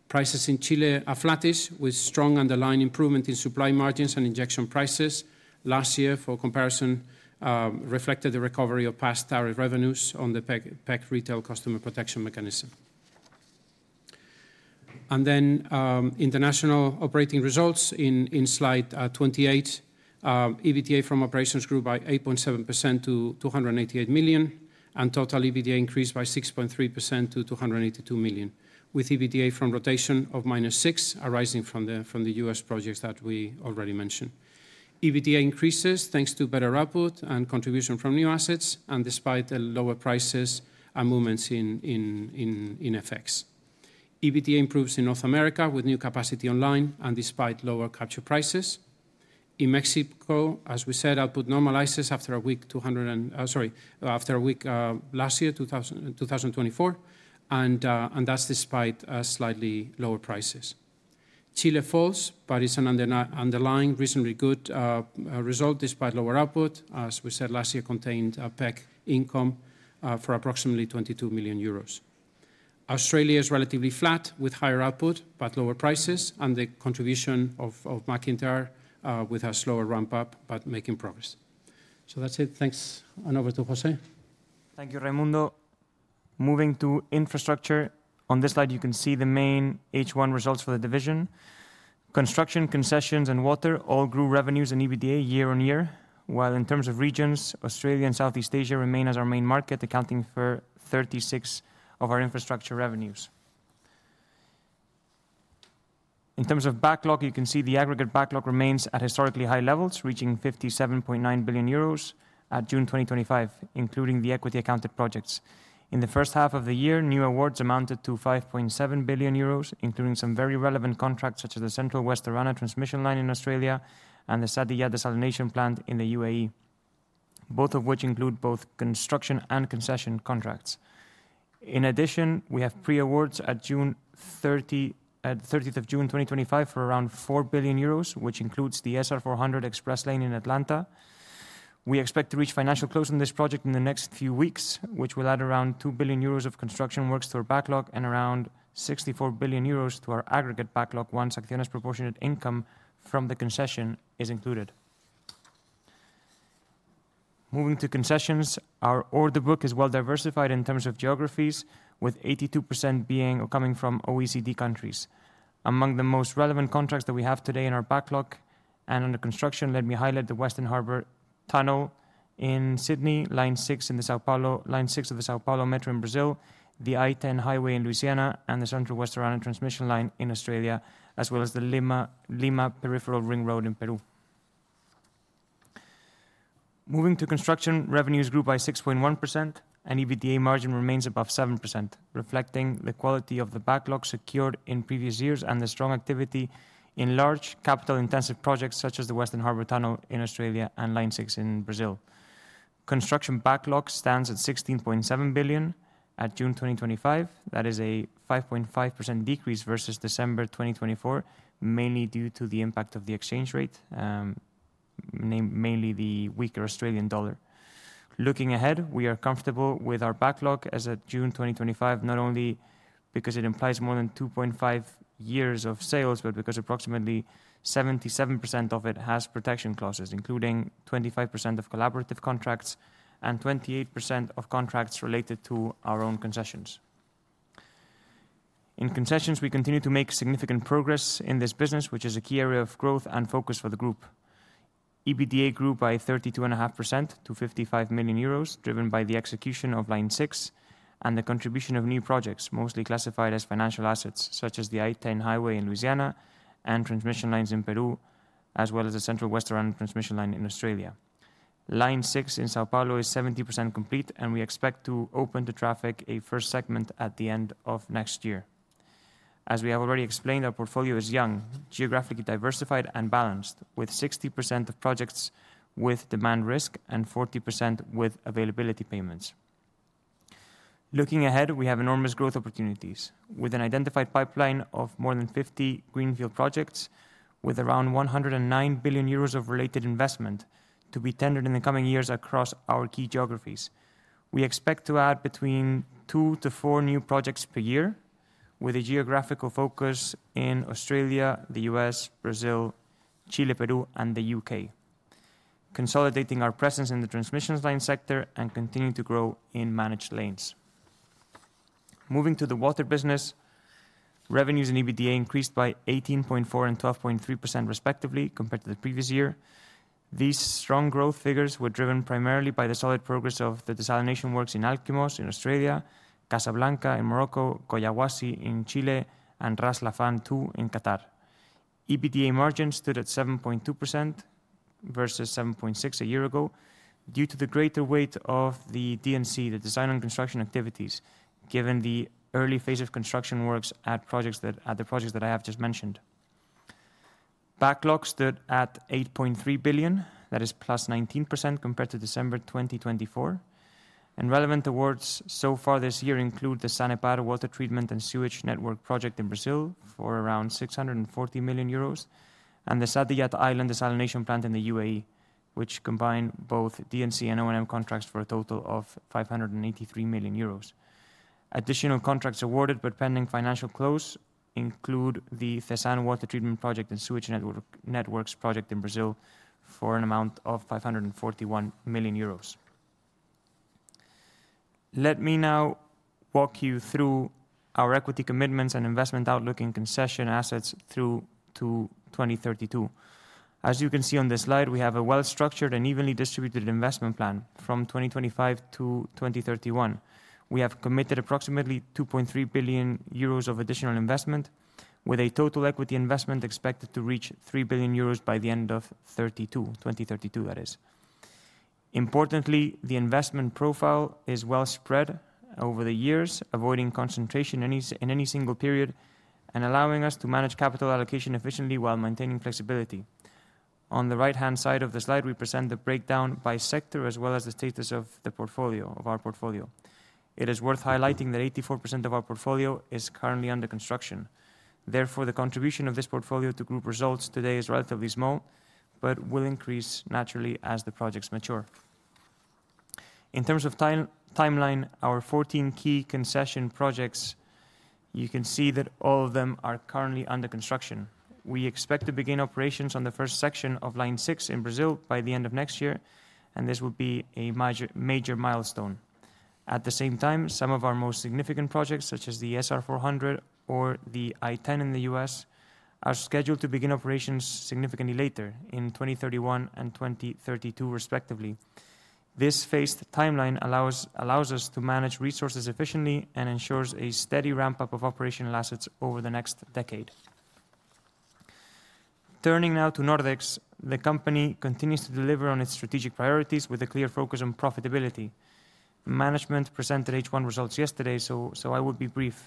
Prices in Chile are flattish, with strong underlying improvement in supply margins and injection prices. Last year, for comparison, reflected the recovery of past tariff revenues on the PEC retail customer protection mechanism. International operating results in slide 28. EBITDA from operations grew by 8.7% to 288 million, and total EBITDA increased by 6.3% to 282 million, with EBITDA from rotation of -6, arising from the US projects that we already mentioned. EBITDA increases thanks to better output and contribution from new assets, and despite the lower prices and movements in FX. EBITDA improves in North America with new capacity online and despite lower capture prices. In Mexico, as we said, output normalizes after a weak, sorry, after a weak last year, 2024, and that is despite slightly lower prices. Chile falls, but it is an underlying reasonably good result despite lower output, as we said last year contained PEC income for approximately 22 million euros. Australia is relatively flat with higher output, but lower prices, and the contribution of MacIntyre with a slower ramp-up, but making progress. That is it. Thanks, and over to José. Thank you, Raimundo. Moving to infrastructure, on this slide you can see the main H1 results for the division. Construction, concessions, and water all grew revenues and EBITDA year on year, while in terms of regions, Australia and Southeast Asia remain as our main market, accounting for 36% of our infrastructure revenues. In terms of backlog, you can see the aggregate backlog remains at historically high levels, reaching 57.9 billion euros at June 2025, including the equity-accounted projects. In the first half of the year, new awards amounted to 5.7 billion euros, including some very relevant contracts such as the Central-West Orana Transmission Line in Australia and the Saadiyat Desalination Plant in the UAE, both of which include both construction and concession contracts. In addition, we have pre-awards at June 30th of June 2025 for around 4 billion euros, which includes the SR400 Express Lane in Atlanta. We expect to reach financial close on this project in the next few weeks, which will add around 2 billion euros of construction works to our backlog and around 64 billion euros to our aggregate backlog once ACCIONA's proportionate income from the concession is included. Moving to concessions, our order book is well diversified in terms of geographies, with 82% being or coming from OECD countries. Among the most relevant contracts that we have today in our backlog and under construction, let me highlight the Western Harbour Tunnel in Sydney, Line 6 in the São Paulo Metro in Brazil, the I-10 highway in Louisiana, and the Central-West Orana Transmission Line in Australia, as well as the Lima Peripheral Ring Road in Peru. Moving to construction, revenues grew by 6.1%, and EBITDA margin remains above 7%, reflecting the quality of the backlog secured in previous years and the strong activity in large capital-intensive projects such as the Western Harbour Tunnel in Australia and Line 6 in Brazil. Construction backlog stands at 16.7 billion at June 2025. That is a 5.5% decrease versus December 2024, mainly due to the impact of the exchange rate, mainly the weaker Australian dollar. Looking ahead, we are comfortable with our backlog as of June 2025, not only because it implies more than 2.5 years of sales, but because approximately 77% of it has protection clauses, including 25% of collaborative contracts and 28% of contracts related to our own concessions. In concessions, we continue to make significant progress in this business, which is a key area of growth and focus for the group. EBITDA grew by 32.5% to 55 million euros, driven by the execution of Line 6 and the contribution of new projects, mostly classified as financial assets, such as the I-10 highway in Louisiana and transmission lines in Peru, as well as the Central-West Orana Transmission Line in Australia. Line 6 in São Paulo is 70% complete, and we expect to open to traffic a first segment at the end of next year. As we have already explained, our portfolio is young, geographically diversified, and balanced, with 60% of projects with demand risk and 40% with availability payments. Looking ahead, we have enormous growth opportunities with an identified pipeline of more than 50 greenfield projects, with around 109 billion euros of related investment to be tendered in the coming years across our key geographies. We expect to add between two to four new projects per year, with a geographical focus in Australia, the U.S., Brazil, Chile, Peru, and the U.K. Consolidating our presence in the transmissions line sector and continuing to grow in managed lanes. Moving to the water business. Revenues and EBITDA increased by 18.4% and 12.3% respectively compared to the previous year. These strong growth figures were driven primarily by the solid progress of the desalination works in Alkimos in Australia, Casablanca in Morocco, Collahuasi in Chile, and Ras Laffan 2 in Qatar. EBITDA margin stood at 7.2%, versus 7.6% a year ago due to the greater weight of the DNC, the design and construction activities, given the early phase of construction works at the projects that I have just mentioned. Backlog stood at 8.3 billion. That is plus 19% compared to December 2024. Relevant awards so far this year include the Sanepar water treatment and sewage network project in Brazil for around 640 million euros and the Saadiyat Island Desalination Plant in the UAE, which combine both DNC and O&M contracts for a total of 583 million euros. Additional contracts awarded but pending financial close include the CESAN water treatment project and sewage networks project in Brazil for an amount of 541 million euros. Let me now walk you through our equity commitments and investment outlook in concession assets through to 2032. As you can see on this slide, we have a well-structured and evenly distributed investment plan from 2025 to 2031. We have committed approximately 2.3 billion euros of additional investment, with a total equity investment expected to reach 3 billion euros by the end of 2032, that is. Importantly, the investment profile is well spread over the years, avoiding concentration in any single period and allowing us to manage capital allocation efficiently while maintaining flexibility. On the right-hand side of the slide, we present the breakdown by sector as well as the status of our portfolio. It is worth highlighting that 84% of our portfolio is currently under construction. Therefore, the contribution of this portfolio to group results today is relatively small, but will increase naturally as the projects mature. In terms of timeline, our 14 key concession projects, you can see that all of them are currently under construction. We expect to begin operations on the first section of Line 6 in Brazil by the end of next year, and this will be a major milestone. At the same time, some of our most significant projects, such as the SR400 or the I-10 in the U.S., are scheduled to begin operations significantly later in 2031 and 2032, respectively. This phased timeline allows us to manage resources efficiently and ensures a steady ramp-up of operational assets over the next decade. Turning now to Nordex, the company continues to deliver on its strategic priorities with a clear focus on profitability. Management presented H1 results yesterday, so I will be brief.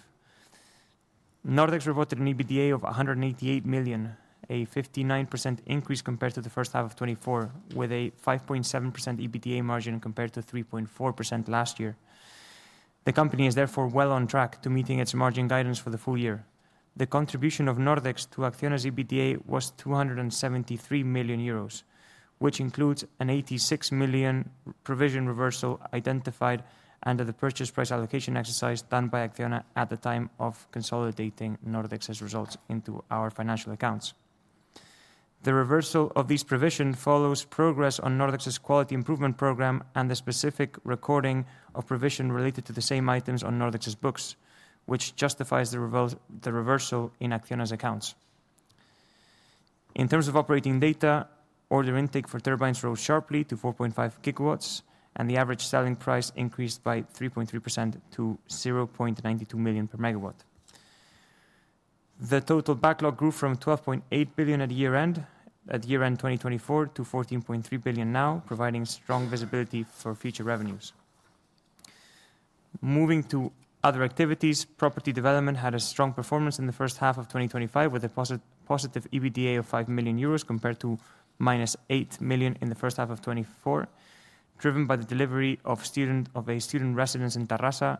Nordex reported an EBITDA of 188 million, a 59% increase compared to the first half of 2024, with a 5.7% EBITDA margin compared to 3.4% last year. The company is therefore well on track to meeting its margin guidance for the full year. The contribution of Nordex to ACCIONA's EBITDA was 273 million euros, which includes an 86 million provision reversal identified under the purchase price allocation exercise done by ACCIONA at the time of consolidating Nordex's results into our financial accounts. The reversal of this provision follows progress on Nordex's quality improvement program and the specific recording of provision related to the same items on Nordex's books, which justifies the reversal in ACCIONA's accounts. In terms of operating data, order intake for turbines rose sharply to 4.5 GW, and the average selling price increased by 3.3% to 0.92 million per megawatt. The total backlog grew from 12.8 billion at year-end 2024 to 14.3 billion now, providing strong visibility for future revenues. Moving to other activities, property development had a strong performance in the first half of 2025 with a positive EBITDA of 5 million euros compared to minus 8 million in the first half of 2024, driven by the delivery of a student residence in Terrassa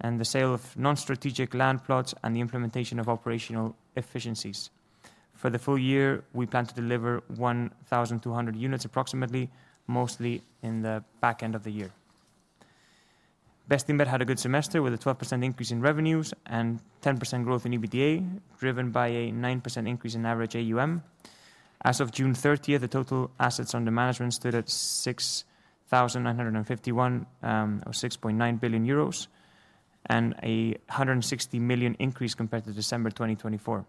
and the sale of non-strategic land plots and the implementation of operational efficiencies. For the full year, we plan to deliver approximately 1,200 units, mostly in the back end of the year. Bestinver had a good semester with a 12% increase in revenues and 10% growth in EBITDA, driven by a 9% increase in average AUM. As of June 30, the total assets under management stood at 6,951 million or 6.9 billion euros and a 160 million increase compared to December 2024.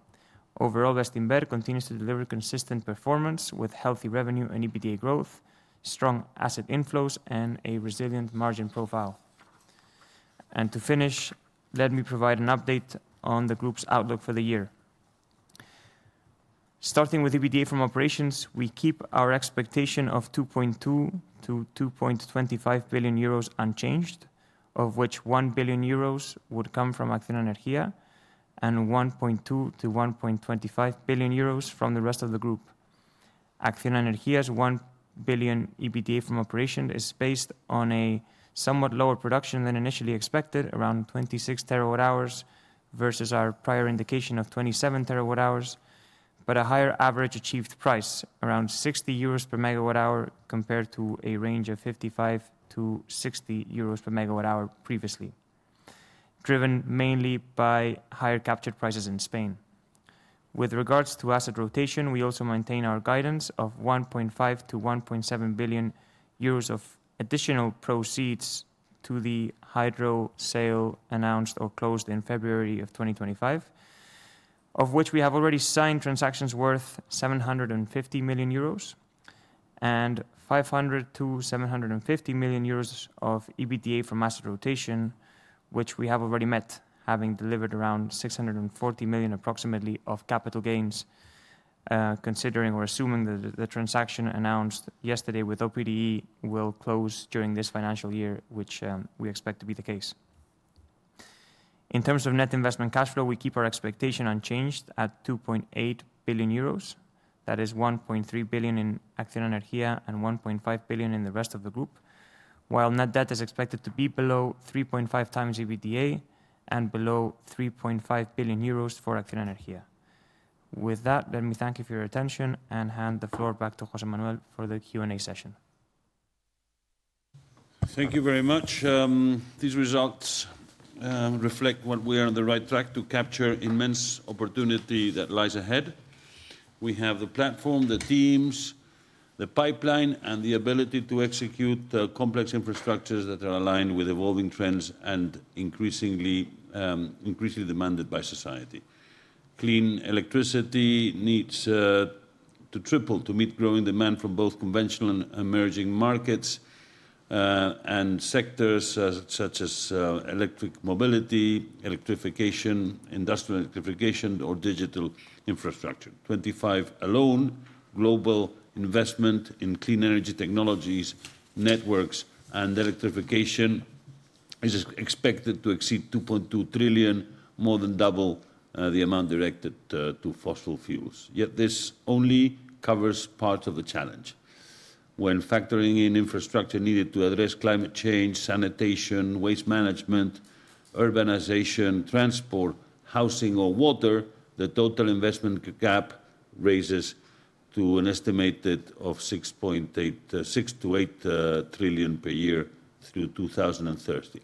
Overall, Bestinver continues to deliver consistent performance with healthy revenue and EBITDA growth, strong asset inflows, and a resilient margin profile. To finish, let me provide an update on the group's outlook for the year. Starting with EBITDA from operations, we keep our expectation of 2.2 billion-2.25 billion euros unchanged, of which 1 billion euros would come from ACCIONA Energía and 1.2 billion-1.25 billion euros from the rest of the group. ACCIONA Energía's 1 billion EBITDA from operation is based on a somewhat lower production than initially expected, around 26 TWh versus our prior indication of 27 TWh, but a higher average achieved price, around 60 euros per megawatt hour compared to a range of 55-60 euros per megawatt hour previously, driven mainly by higher capture prices in Spain. With regards to asset rotation, we also maintain our guidance of 1.5 billion-1.7 billion euros of additional proceeds to the hydro sale announced or closed in February of 2025, of which we have already signed transactions worth 750 million euros and 500 million-750 million euros of EBITDA from asset rotation, which we have already met, having delivered around 640 million approximately of capital gains, considering or assuming that the transaction announced yesterday with OPDE will close during this financial year, which we expect to be the case. In terms of net investment cash flow, we keep our expectation unchanged at 2.8 billion euros. That is 1.3 billion in ACCIONA Energía and 1.5 billion in the rest of the group, while net debt is expected to be below 3.5 times EBITDA and below 3.5 billion euros for ACCIONA Energía. With that, let me thank you for your attention and hand the floor back to José Manuel for the Q&A session. Thank you very much. These results reflect what we are on the right track to capture: immense opportunity that lies ahead. We have the platform, the teams, the pipeline, and the ability to execute complex infrastructures that are aligned with evolving trends and increasingly demanded by society. Clean electricity needs to triple to meet growing demand from both conventional and emerging markets and sectors such as electric mobility, electrification, industrial electrification, or digital infrastructure. In 2025 alone, global investment in clean energy technologies, networks, and electrification is expected to exceed 2.2 trillion, more than double the amount directed to fossil fuels. Yet this only covers part of the challenge. When factoring in infrastructure needed to address climate change, sanitation, waste management, urbanization, transport, housing, or water, the total investment gap raises to an estimated 6 trillion-8 trillion per year through 2030.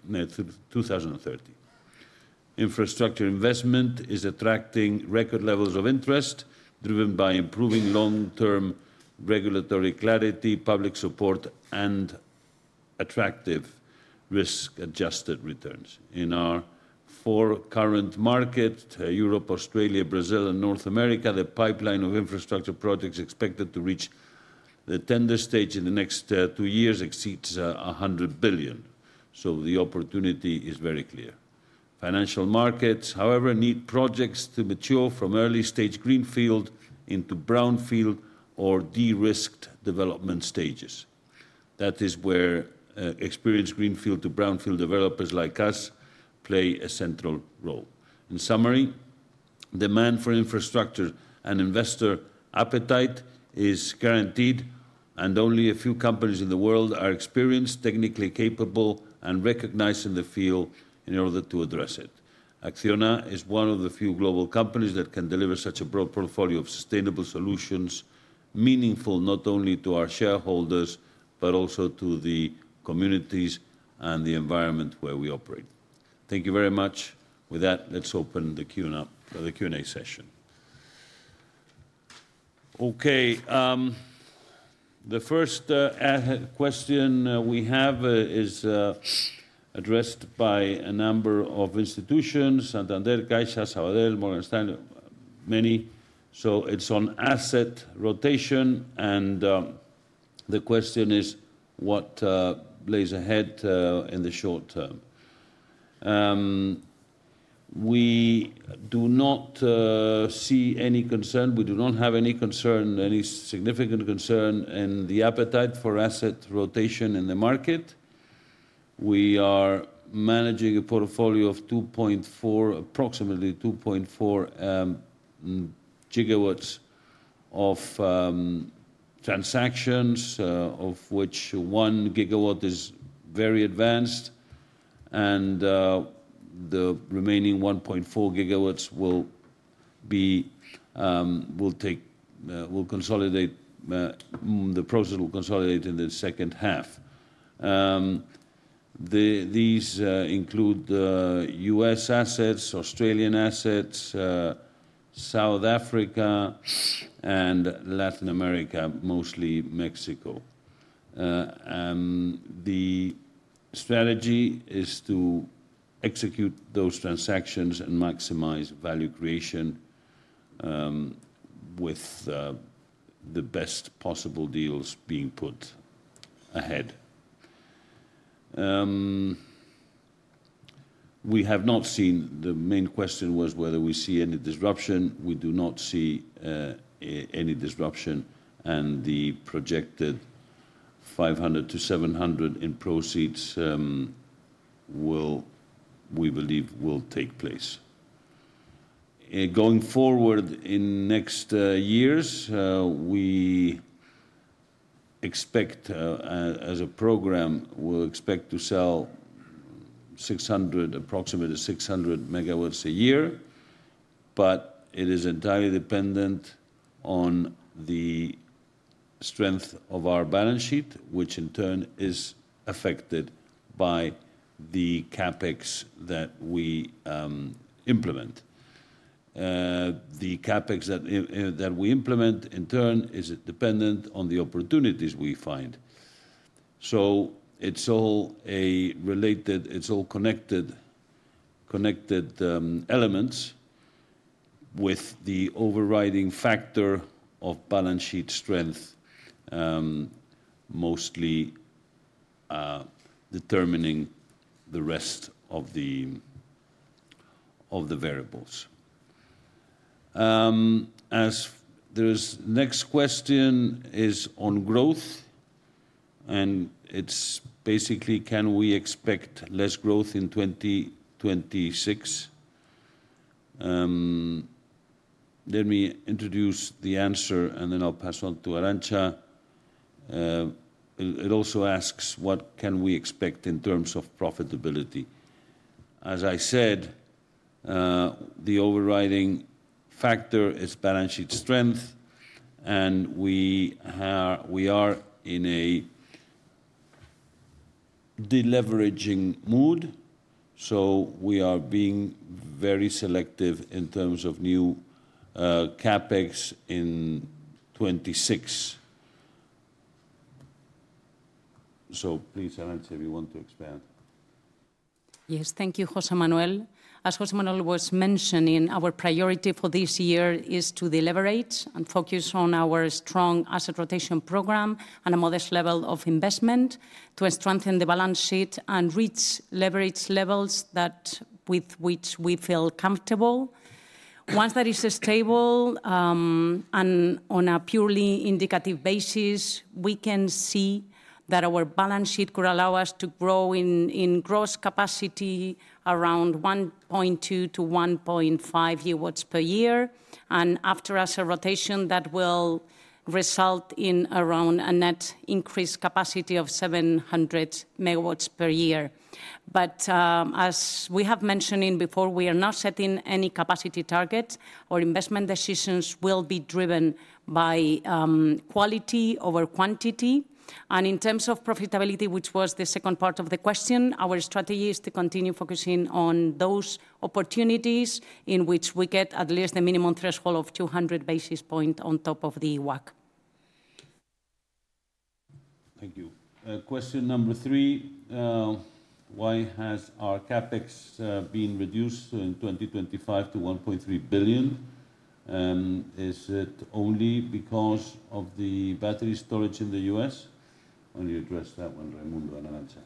Infrastructure investment is attracting record levels of interest, driven by improving long-term regulatory clarity, public support, and attractive risk-adjusted returns. In our four current markets, Europe, Australia, Brazil, and North America, the pipeline of infrastructure projects expected to reach the tender stage in the next two years exceeds 100 billion. The opportunity is very clear. Financial markets, however, need projects to mature from early-stage greenfield into brownfield or de-risked development stages. That is where experienced greenfield to brownfield developers like us play a central role. In summary, demand for infrastructure and investor appetite is guaranteed, and only a few companies in the world are experienced, technically capable, and recognized in the field in order to address it. ACCIONA is one of the few global companies that can deliver such a broad portfolio of sustainable solutions, meaningful not only to our shareholders but also to the communities and the environment where we operate. Thank you very much. With that, let's open the Q&A session. Okay. The first question we have is addressed by a number of institutions: Santander, Caixa, Sabadell, Morgan Stanley, many. It is on asset rotation, and the question is what lays ahead in the short term. We do not see any concern. We do not have any significant concern in the appetite for asset rotation in the market. We are managing a portfolio of approximately 2.4 GW of transactions, of which 1 GW is very advanced. The remaining 1.4 GW will consolidate. The process will consolidate in the second half. These include U.S. assets, Australian assets, South Africa, and Latin America, mostly Mexico. The strategy is to execute those transactions and maximize value creation with the best possible deals being put ahead. We have not seen—the main question was whether we see any disruption. We do not see any disruption, and the projected 500 million-700 million in proceeds we believe will take place. Going forward in next years, we expect, as a program, we expect to sell approximately 600 MW a year, but it is entirely dependent on the strength of our balance sheet, which in turn is affected by the CapEx that we implement. The CapEx that we implement, in turn, is dependent on the opportunities we find. It is all related, it is all connected elements, with the overriding factor of balance sheet strength mostly determining the rest of the. Variables. The next question is on growth. It is basically, can we expect less growth in 2026? Let me introduce the answer, and then I'll pass on to Arantza. It also asks, what can we expect in terms of profitability? As I said, the overriding factor is balance sheet strength. We are in a deleveraging mood. We are being very selective in terms of new CapEx in 2026. Please, Arantza, if you want to expand. Yes, thank you, José Manuel. As José Manuel was mentioning, our priority for this year is to deleverage and focus on our strong asset rotation program and a modest level of investment to strengthen the balance sheet and reach leverage levels with which we feel comfortable. Once that is stable, and on a purely indicative basis, we can see that our balance sheet could allow us to grow in gross capacity around 1.2-1.5 GW per year. After asset rotation, that will result in around a net increased capacity of 700 MW per year. As we have mentioned before, we are not setting any capacity targets or investment decisions will be driven by quality over quantity. In terms of profitability, which was the second part of the question, our strategy is to continue focusing on those opportunities in which we get at least the minimum threshold of 200 basis points on top of the WAC. Thank you. Question number three. Why has our CapEx been reduced in 2025 to 1.3 billion? Is it only because of the battery storage in the U.S.? Let me address that one, Raimundo and Arantza.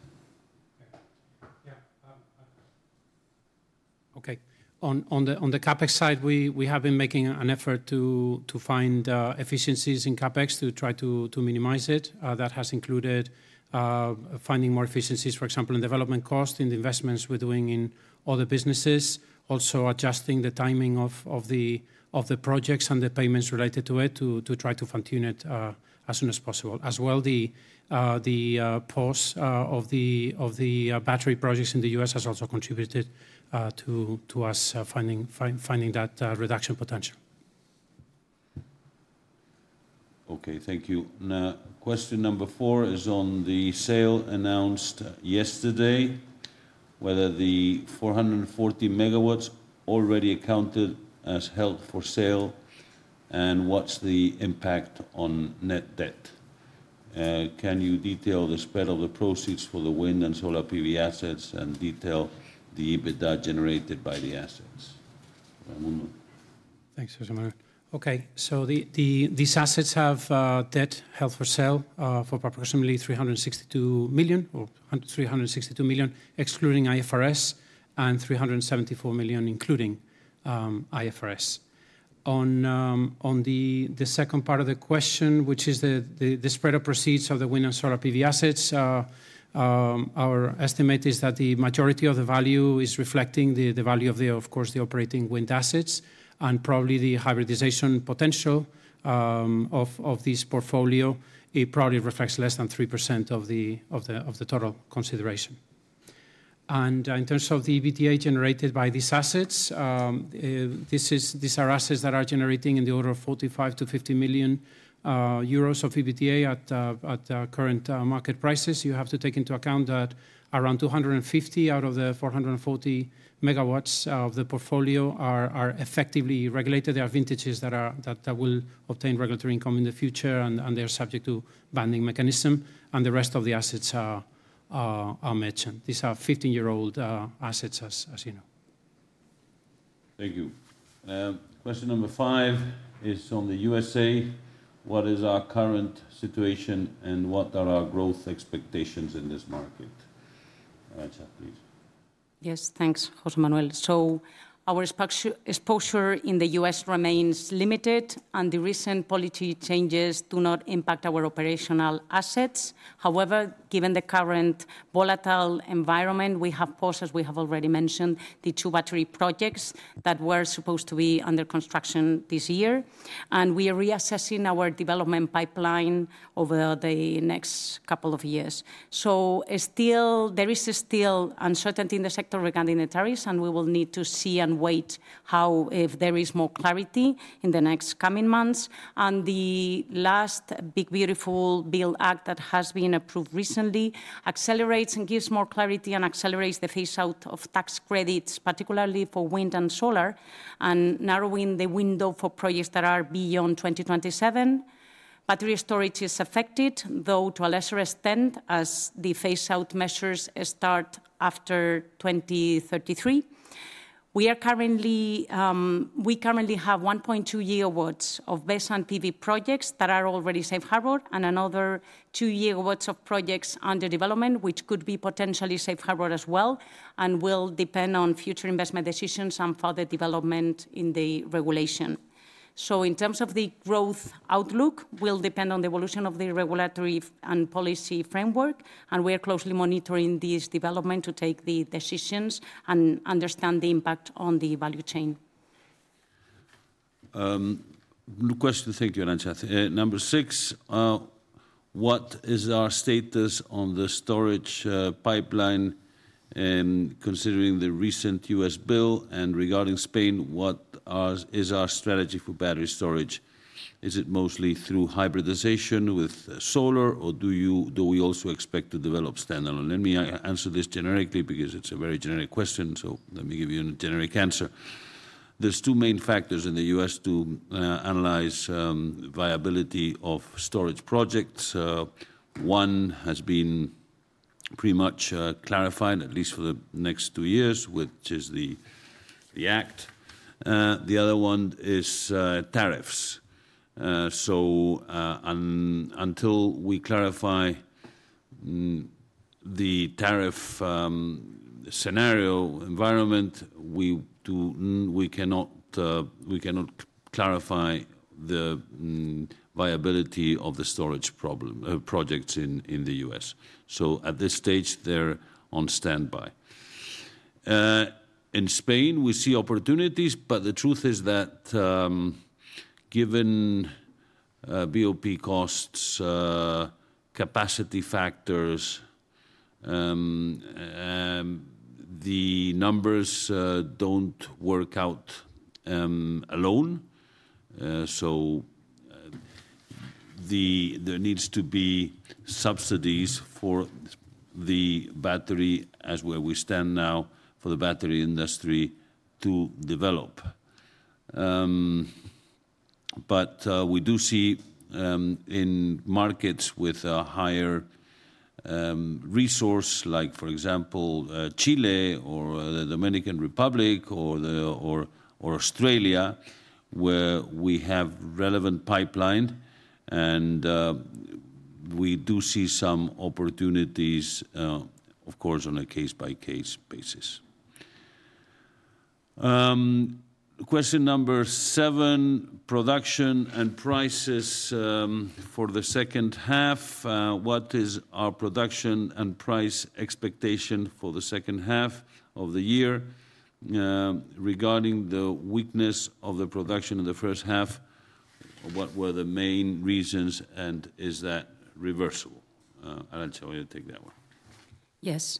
On the CapEx side, we have been making an effort to find efficiencies in CapEx to try to minimize it. That has included finding more efficiencies, for example, in development costs, in the investments we are doing in other businesses, also adjusting the timing of the projects and the payments related to it to try to fine-tune it as soon as possible. As well, the pause of the battery projects in the U.S. has also contributed to us finding that reduction potential. Thank you. Question number four is on the sale announced yesterday. Whether the 440 MW already accounted as held for sale and what is the impact on net debt. Can you detail the spread of the proceeds for the wind and solar PV assets and detail the EBITDA generated by the assets? Thanks, José Manuel. These assets have debt held for sale for approximately 362 million, or 362 million excluding IFRS, and 374 million including IFRS. On. The second part of the question, which is the spread of proceeds of the wind and solar PV assets. Our estimate is that the majority of the value is reflecting the value of, of course, the operating wind assets and probably the hybridization potential of this portfolio. It probably reflects less than 3% of the total consideration. In terms of the EBITDA generated by these assets, these are assets that are generating in the order of 45 million-50 million euros of EBITDA at current market prices. You have to take into account that around 250 out of the 440 MW of the portfolio are effectively regulated. There are vintages that will obtain regulatory income in the future, and they are subject to banding mechanism. The rest of the assets are mentioned. These are 15-year-old assets, as you know. Thank you. Question number five is on the U.S.A. What is our current situation and what are our growth expectations in this market? Arantza, please. Yes, thanks, José Manuel. Our exposure in the U.S. remains limited, and the recent policy changes do not impact our operational assets. However, given the current volatile environment, we have paused, as we have already mentioned, the two battery projects that were supposed to be under construction this year. We are reassessing our development pipeline over the next couple of years. There is still uncertainty in the sector regarding the tariffs, and we will need to see and wait if there is more clarity in the next coming months. The last big, beautiful bill act that has been approved recently accelerates and gives more clarity and accelerates the phase-out of tax credits, particularly for wind and solar, and narrowing the window for projects that are beyond 2027. Battery storage is affected, though to a lesser extent as the phase-out measures start after 2033. We currently have 1.2 GW of baseline PV projects that are already safe harbor and another 2 GW of projects under development, which could be potentially safe harbor as well, and will depend on future investment decisions and further development in the regulation. In terms of the growth outlook, it will depend on the evolution of the regulatory and policy framework, and we are closely monitoring this development to take the decisions and understand the impact on the value chain. Question, thank you, Arantza. Number six. What is our status on the storage pipeline, considering the recent U.S. bill and regarding Spain? What is our strategy for battery storage? Is it mostly through hybridization with solar, or do we also expect to develop standalone? Let me answer this generically because it's a very generic question, so let me give you a generic answer. There are two main factors in the U.S. to analyze viability of storage projects. One has been pretty much clarified, at least for the next two years, which is the Act. The other one is tariffs. Until we clarify the tariff scenario environment, we cannot clarify the viability of the storage projects in the U.S. At this stage, they're on standby. In Spain, we see opportunities, but the truth is that given BOP costs, capacity factors, the numbers do not work out alone. There needs to be subsidies for the battery, as where we stand now, for the battery industry to develop. We do see in markets with a higher resource, like for example, Chile or the Dominican Republic or Australia, where we have relevant pipeline, and we do see some opportunities, of course, on a case-by-case basis. Question number seven, production and prices for the second half. What is our production and price expectation for the second half of the year? Regarding the weakness of the production in the first half, what were the main reasons, and is that reversible? Arantza, will you take that one? Yes.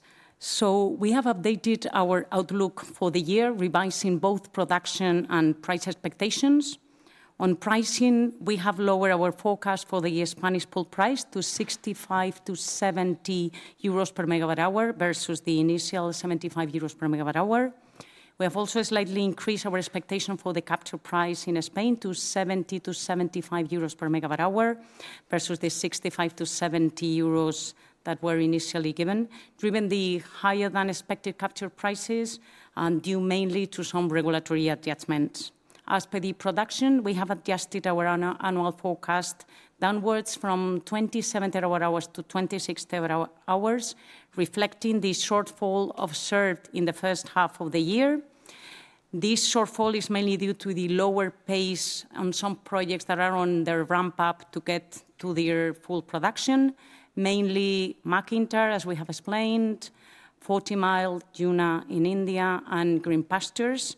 We have updated our outlook for the year, revising both production and price expectations. On pricing, we have lowered our forecast for the Spanish pool price to 65-70 euros per megawatt hour versus the initial 75 euros per megawatt hour. We have also slightly increased our expectation for the capture price in Spain to 70-75 euros per megawatt hour versus the 65-70 euros that were initially given, driven by the higher-than-expected capture prices and due mainly to some regulatory adjustments. As per the production, we have adjusted our annual forecast downwards from 27 TWh to 26 TWh, reflecting the shortfall observed in the first half of the year. This shortfall is mainly due to the lower pace on some projects that are on their ramp-up to get to their full production, mainly MacIntyre, as we have explained, Forty Mile, Juna in India, and Green Pastures.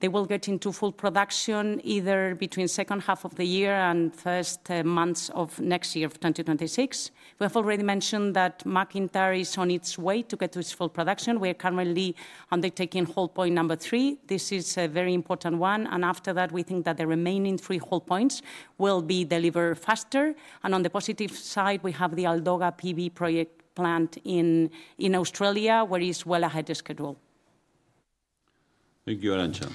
They will get into full production either between the second half of the year and the first months of next year, 2026. We have already mentioned that MacIntyre is on its way to get to its full production. We are currently undertaking hold point number three. This is a very important one. After that, we think that the remaining three hold points will be delivered faster. On the positive side, we have the Aldoga PV project plant in Australia, where it is well ahead of schedule. Thank you, Arantza.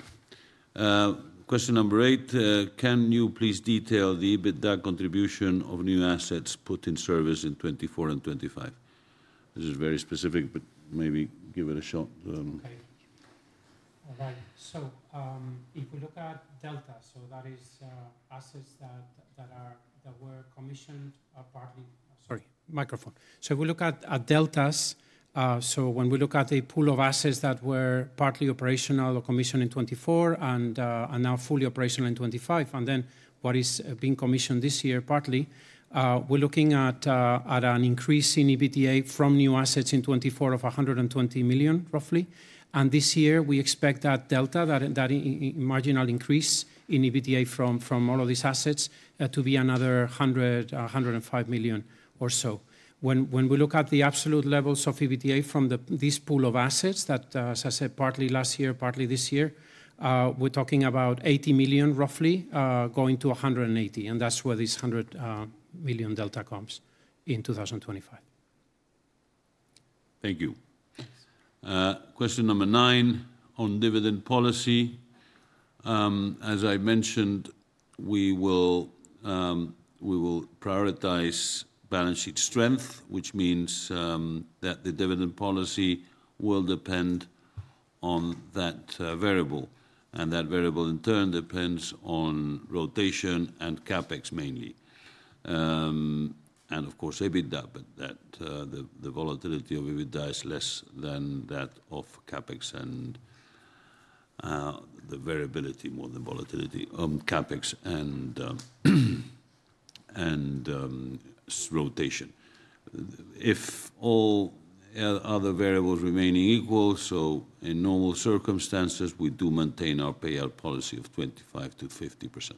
Question number eight, can you please detail the EBITDA contribution of new assets put in service in 2024 and 2025? This is very specific, but maybe give it a shot. If we look at deltas, so that is assets that were commissioned partly. Sorry, microphone. If we look at deltas, when we look at a pool of assets that were partly operational or commissioned in 2024 and now fully operational in 2025, and then what is being commissioned this year partly, we are looking at an increase in EBITDA from new assets in 2024 of 120 million, roughly. This year, we expect that delta, that marginal increase in EBITDA from all of these assets, to be another 100-105 million or so. When we look at the absolute levels of EBITDA from this pool of assets that, as I said, partly last year, partly this year, we are talking about 80 million, roughly, going to 180 million. That is where this 100 million delta comes in 2025. Thank you. Question number nine on dividend policy. As I mentioned, we will prioritize balance sheet strength, which means that the dividend policy will depend on that variable. That variable, in turn, depends on rotation and CapEx mainly. Of course, EBITDA, but the volatility of EBITDA is less than that of CapEx and the variability, more than volatility, on CapEx and rotation. If all other variables remain equal, in normal circumstances, we do maintain our payout policy of 25%-50%.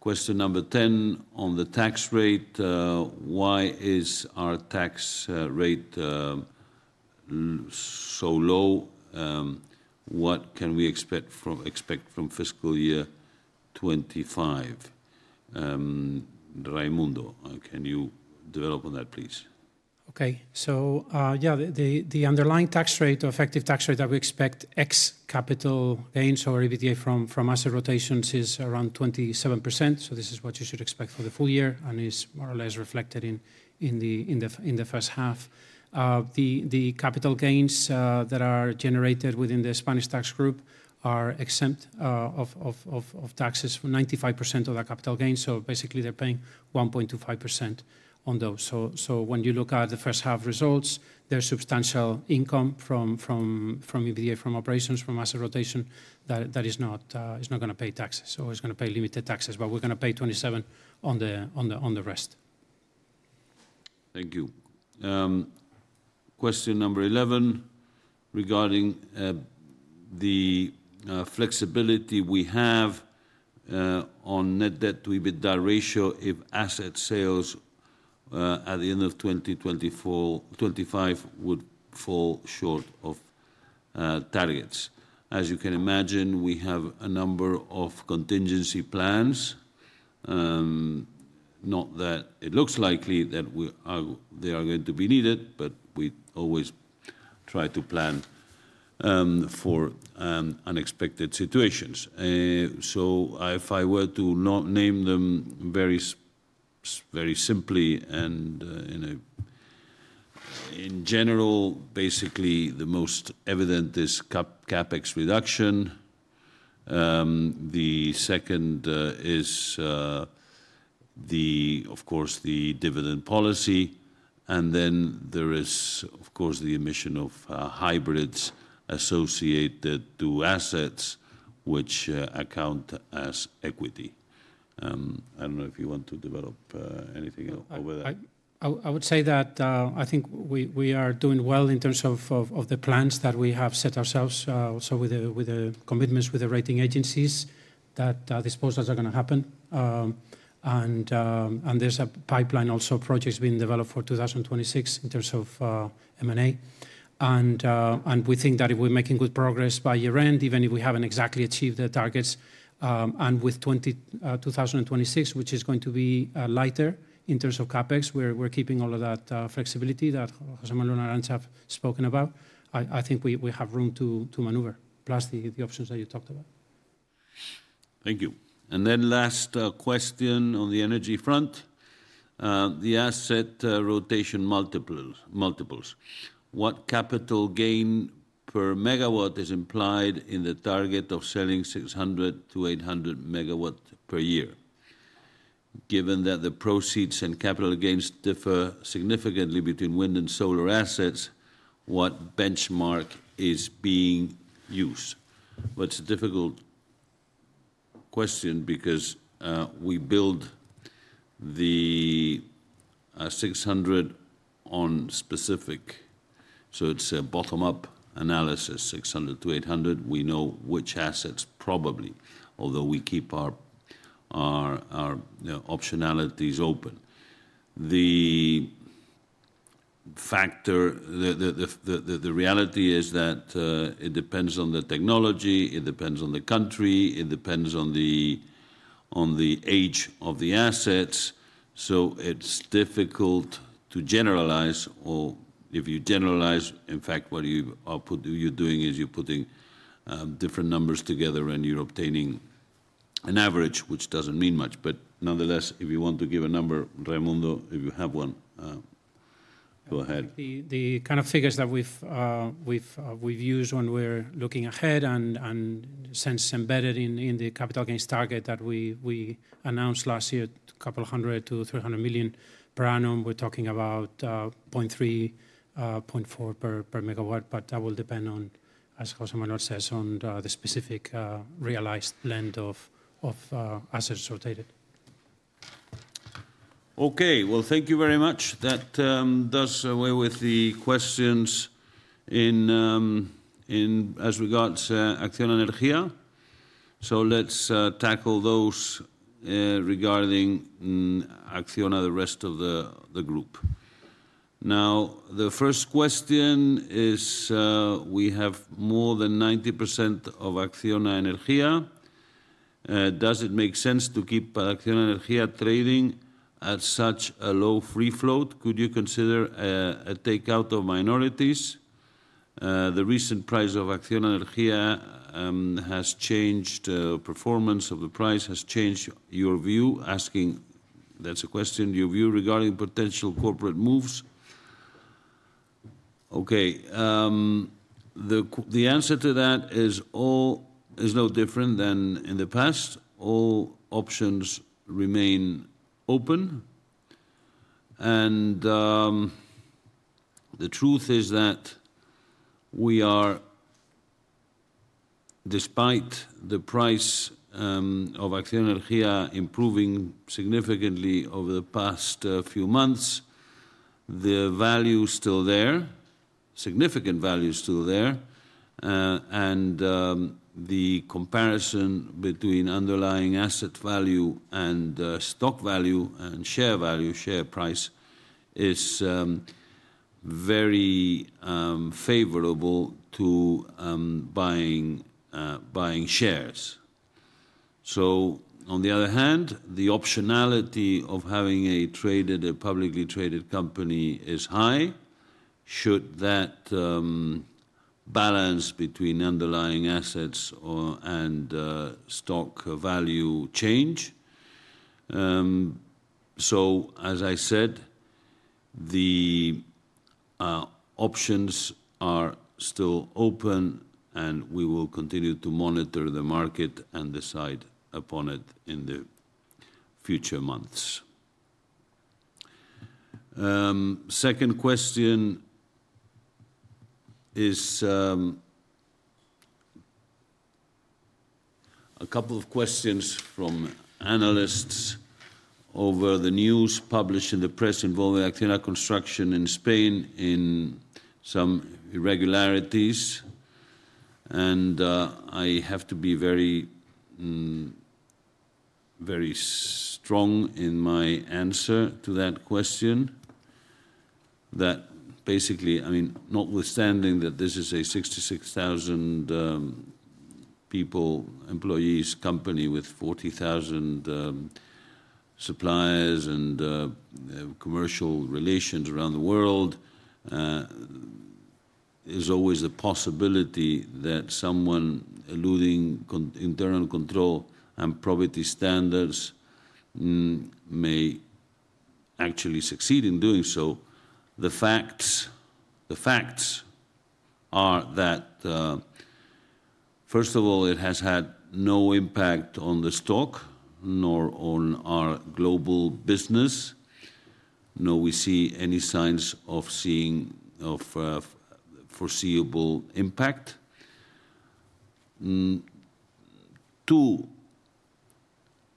Question number 10, on the tax rate. Why is our tax rate so low? What can we expect from fiscal year 2025? Raimundo, can you develop on that, please? Okay. The underlying tax rate, the effective tax rate that we expect ex-capital gains or EBITDA from asset rotations, is around 27%. This is what you should expect for the full year and is more or less reflected in the first half. The capital gains that are generated within the Spanish tax group are exempt of taxes for 95% of the capital gains. Basically, they are paying 1.25% on those. When you look at the first half results, there is substantial income from EBITDA, from operations, from asset rotation that is not going to pay taxes. It is going to pay limited taxes, but we are going to pay 27% on the rest. Thank you. Question number 11. Regarding the. Flexibility we have. On net debt to EBITDA ratio if asset sales at the end of 2025 would fall short of targets. As you can imagine, we have a number of contingency plans. Not that it looks likely that they are going to be needed, but we always try to plan for unexpected situations. If I were to name them very simply and in general, basically, the most evident is CapEx reduction. The second is, of course, the dividend policy. Then there is, of course, the emission of hybrids associated to assets, which account as equity. I do not know if you want to develop anything over there. I would say that I think we are doing well in terms of the plans that we have set ourselves, also with the commitments with the rating agencies, that disposals are going to happen. There is a pipeline also of projects being developed for 2026 in terms of M&A. We think that if we are making good progress by year-end, even if we have not exactly achieved the targets, and with 2026, which is going to be lighter in terms of CapEx, where we are keeping all of that flexibility that José Manuel and Arantza have spoken about, I think we have room to maneuver, plus the options that you talked about. Thank you. Last question on the energy front. The asset rotation multiples. What capital gain per megawatt is implied in the target of selling 600-800 MW per year? Given that the proceeds and capital gains differ significantly between wind and solar assets, what benchmark is being used? It is a difficult question because we build the 600 on specific, so it is a bottom-up analysis, 600-800. We know which assets probably, although we keep our optionalities open. The reality is that it depends on the technology, it depends on the country, it depends on the age of the assets. It is difficult to generalize, or if you generalize, in fact, what you are doing is you are putting different numbers together and you are obtaining an average, which does not mean much. Nonetheless, if you want to give a number, Raimundo, if you have one, go ahead. The kind of figures that we have used when we are looking ahead and sense embedded in the capital gains target that we announced last year, a couple hundred to 300 million per annum, we are talking about 0.3-0.4 per megawatt, but that will depend on, as José Manuel says, on the specific realized blend of assets rotated. Thank you very much. That does away with the questions. As regards to ACCIONA Energía. Let's tackle those. Regarding Acciona, the rest of the group. Now, the first question is, we have more than 90% of ACCIONA Energía. Does it make sense to keep ACCIONA Energía trading at such a low free float? Could you consider a takeout of minorities? The recent price of ACCIONA Energía has changed. The performance of the price has changed. Your view, asking, that's a question, your view regarding potential corporate moves? The answer to that is no different than in the past. All options remain open. The truth is that we are, despite the price of ACCIONA Energía improving significantly over the past few months, the value is still there, significant value is still there. The comparison between underlying asset value and stock value and share value, share price, is very favorable to buying shares. On the other hand, the optionality of having a traded, a publicly traded company is high, should that balance between underlying assets and stock value change. As I said, the options are still open, and we will continue to monitor the market and decide upon it in the future months. Second question is a couple of questions from analysts over the news published in the press involving ACCIONA Construction in Spain in some irregularities. I have to be very strong in my answer to that question. Basically, I mean, notwithstanding that this is a 66,000 people, employees, company with 40,000 suppliers and commercial relations around the world, there's always a possibility that someone eluding internal control and probability standards may actually succeed in doing so. The facts are that, first of all, it has had no impact on the stock nor on our global business, nor we see any signs of foreseeable impact. Two,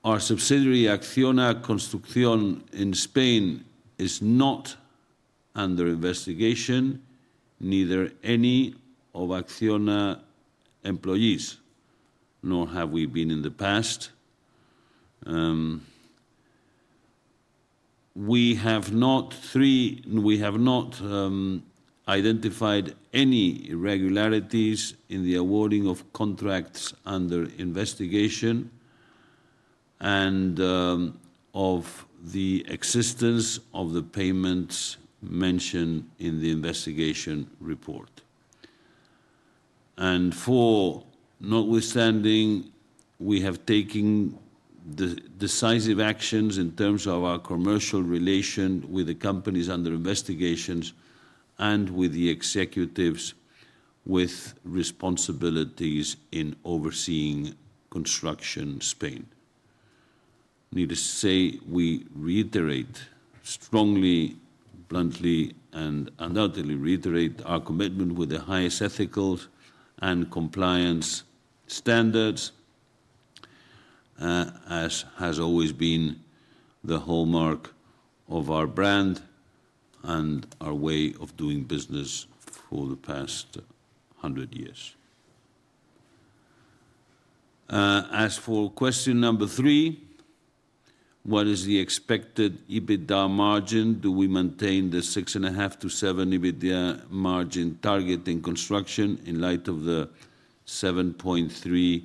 our subsidiary ACCIONA Construction in Spain is not under investigation, neither any of ACCIONA employees, nor have we been in the past. We have not identified any irregularities in the awarding of contracts under investigation and of the existence of the payments mentioned in the investigation report. Four, notwithstanding, we have taken decisive actions in terms of our commercial relation with the companies under investigations and with the executives with responsibilities in overseeing construction Spain. Need to say we reiterate strongly, bluntly, and undoubtedly reiterate our commitment with the highest ethical and compliance standards. As has always been the hallmark of our brand and our way of doing business for the past 100 years. As for question number three, what is the expected EBITDA margin? Do we maintain the 6.5%-7% EBITDA margin target in construction in light of the 7.3%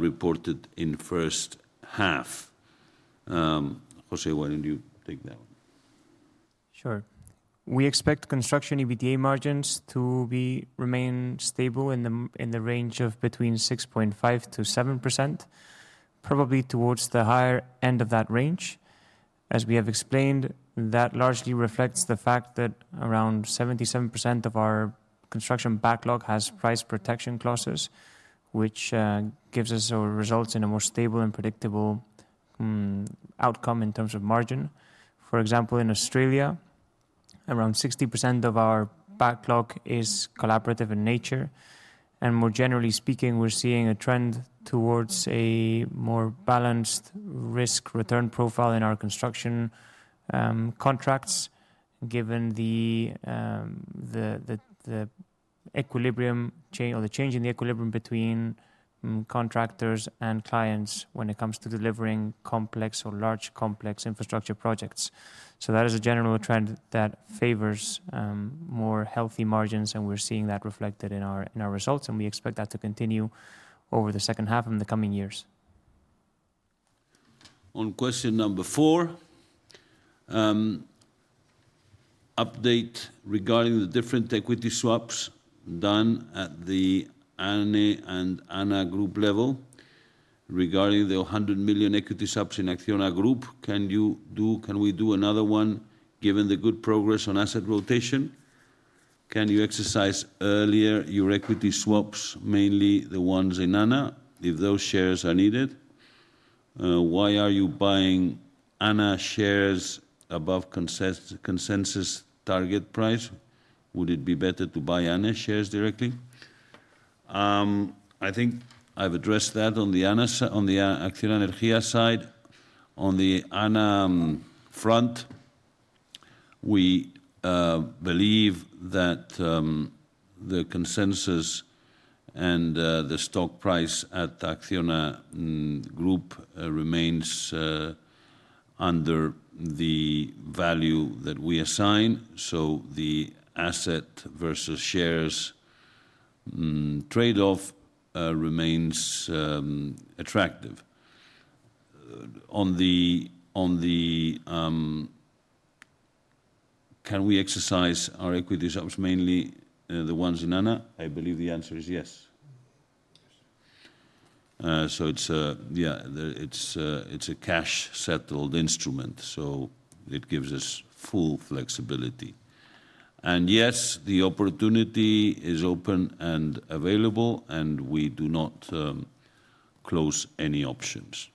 reported in first half? José, why don't you take that one? Sure. We expect construction EBITDA margins to remain stable in the range of between 6.5%-7%, probably towards the higher end of that range. As we have explained, that largely reflects the fact that around 77% of our construction backlog has price protection clauses, which gives us, results in a more stable and predictable outcome in terms of margin. For example, in Australia, around 60% of our backlog is collaborative in nature. More generally speaking, we're seeing a trend towards a more balanced risk-return profile in our construction contracts, given the equilibrium change or the change in the equilibrium between contractors and clients when it comes to delivering complex or large complex infrastructure projects. That is a general trend that favors more healthy margins, and we're seeing that reflected in our results, and we expect that to continue over the second half of the coming years. On question number four, update regarding the different equity swaps done at the ANE and ANA group level. Regarding the 100 million equity swaps in ACCIONA Group, can we do another one given the good progress on asset rotation? Can you exercise earlier your equity swaps, mainly the ones in ANA, if those shares are needed? Why are you buying ANA shares above consensus target price? Would it be better to buy ANA shares directly? I think I've addressed that on the ACCIONA Energía side. On the ANA front, we believe that the consensus and the stock price at the ACCIONA Group remains under the value that we assign, so the asset versus shares trade-off remains attractive. On the can we exercise our equity swaps, mainly the ones in ANA, I believe the answer is yes. It's a cash-settled instrument, so it gives us full flexibility. Yes, the opportunity is open and available, and we do not close any options.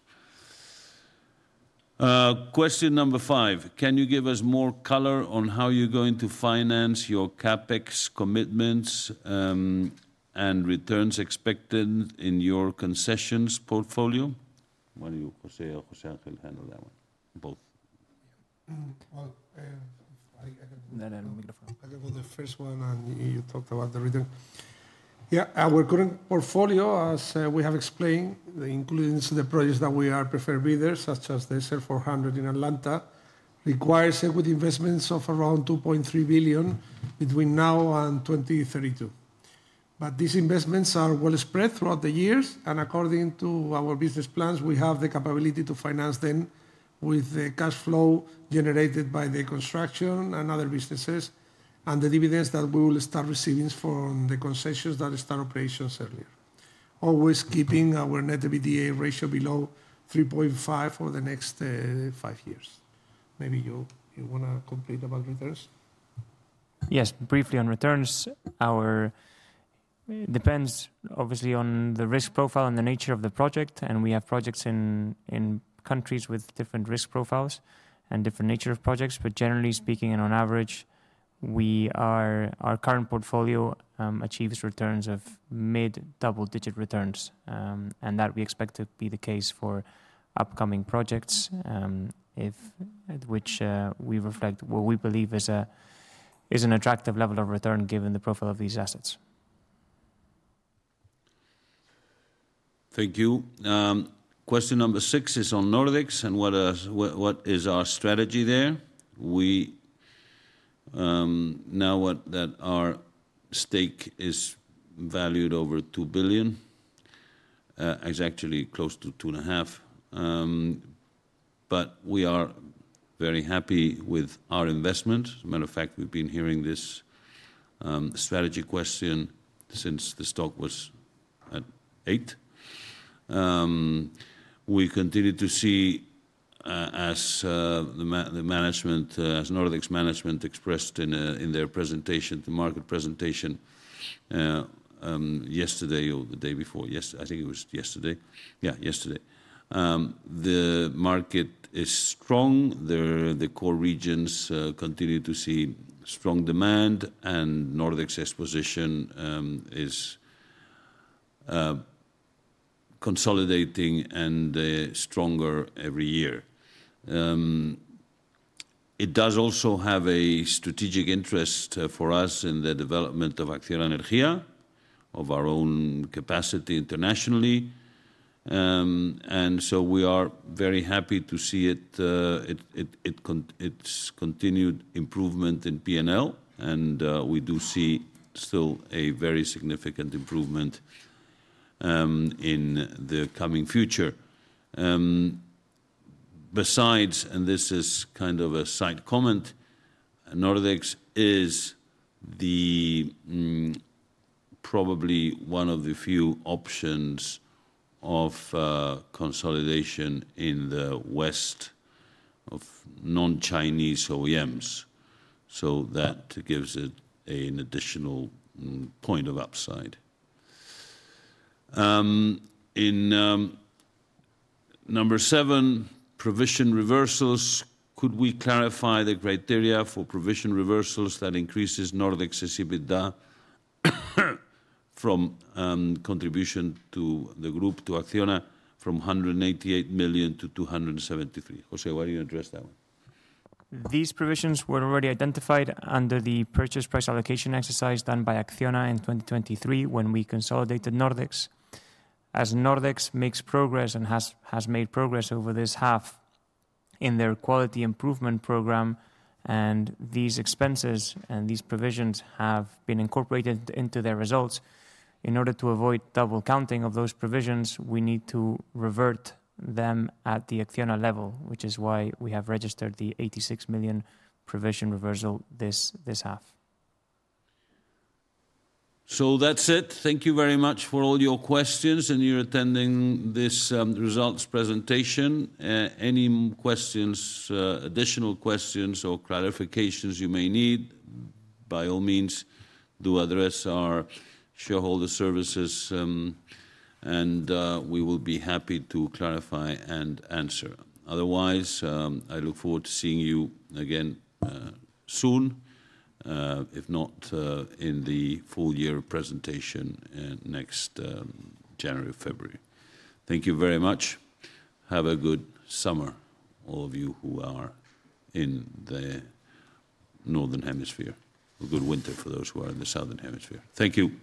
Question number five, can you give us more color on how you're going to finance your CapEx commitments and returns expected in your concessions portfolio? Why don't you, José, or José Ángel handle that one? Both. I can put the first one, and you talked about the return. Yeah. Our current portfolio, as we have explained, includes the projects that we are preferred bidders, such as the SR 400 in Atlanta, requires equity investments of around 2.3 billion between now and 2032. These investments are well spread throughout the years, and according to our business plans, we have the capability to finance them with the cash flow generated by the construction and other businesses and the dividends that we will start receiving from the concessions that start operations earlier. Always keeping our net EBITDA ratio below 3.5 for the next five years. Maybe you want to complete about returns? Yes. Briefly on returns. It depends, obviously, on the risk profile and the nature of the project, and we have projects in countries with different risk profiles and different nature of projects. Generally speaking and on average, our current portfolio achieves returns of mid-double-digit returns, and that we expect to be the case for upcoming projects. Which we reflect what we believe is an attractive level of return given the profile of these assets. Thank you. Question number six is on Nordex, and what is our strategy there? Now that our stake is valued over 2 billion. It's actually close to 2.5 billion. We are very happy with our investment. As a matter of fact, we've been hearing this strategy question since the stock was at 8. We continue to see, as the Nordex management expressed in their market presentation yesterday or the day before, I think it was yesterday. Yeah, yesterday. The market is strong. The core regions continue to see strong demand, and Nordex's exposition is consolidating and stronger every year. It does also have a strategic interest for us in the development of ACCIONA Energía, of our own capacity internationally. We are very happy to see it. Continued improvement in P&L, and we do see still a very significant improvement in the coming future. Besides, and this is kind of a side comment, Nordex is probably one of the few options of consolidation in the west of non-Chinese OEMs. That gives it an additional point of upside. Number seven, provision reversals. Could we clarify the criteria for provision reversals that increases Nordex's EBITDA from contribution to the group to ACCIONA from 188 million to 273 million? José, why don't you address that one? These provisions were already identified under the purchase price allocation exercise done by ACCIONA in 2023 when we consolidated Nordex. As Nordex makes progress and has made progress over this half in their quality improvement program. These expenses and these provisions have been incorporated into their results. In order to avoid double counting of those provisions, we need to revert them at the ACCIONA level, which is why we have registered the 86 million provision reversal this half. That is it. Thank you very much for all your questions and your attending this results presentation. Any additional questions or clarifications you may need, by all means, do address our shareholder services. We will be happy to clarify and answer. Otherwise, I look forward to seeing you again soon, if not in the full year presentation next January or February. Thank you very much. Have a good summer, all of you who are in the Northern Hemisphere. A good winter for those who are in the Southern Hemisphere. Thank you.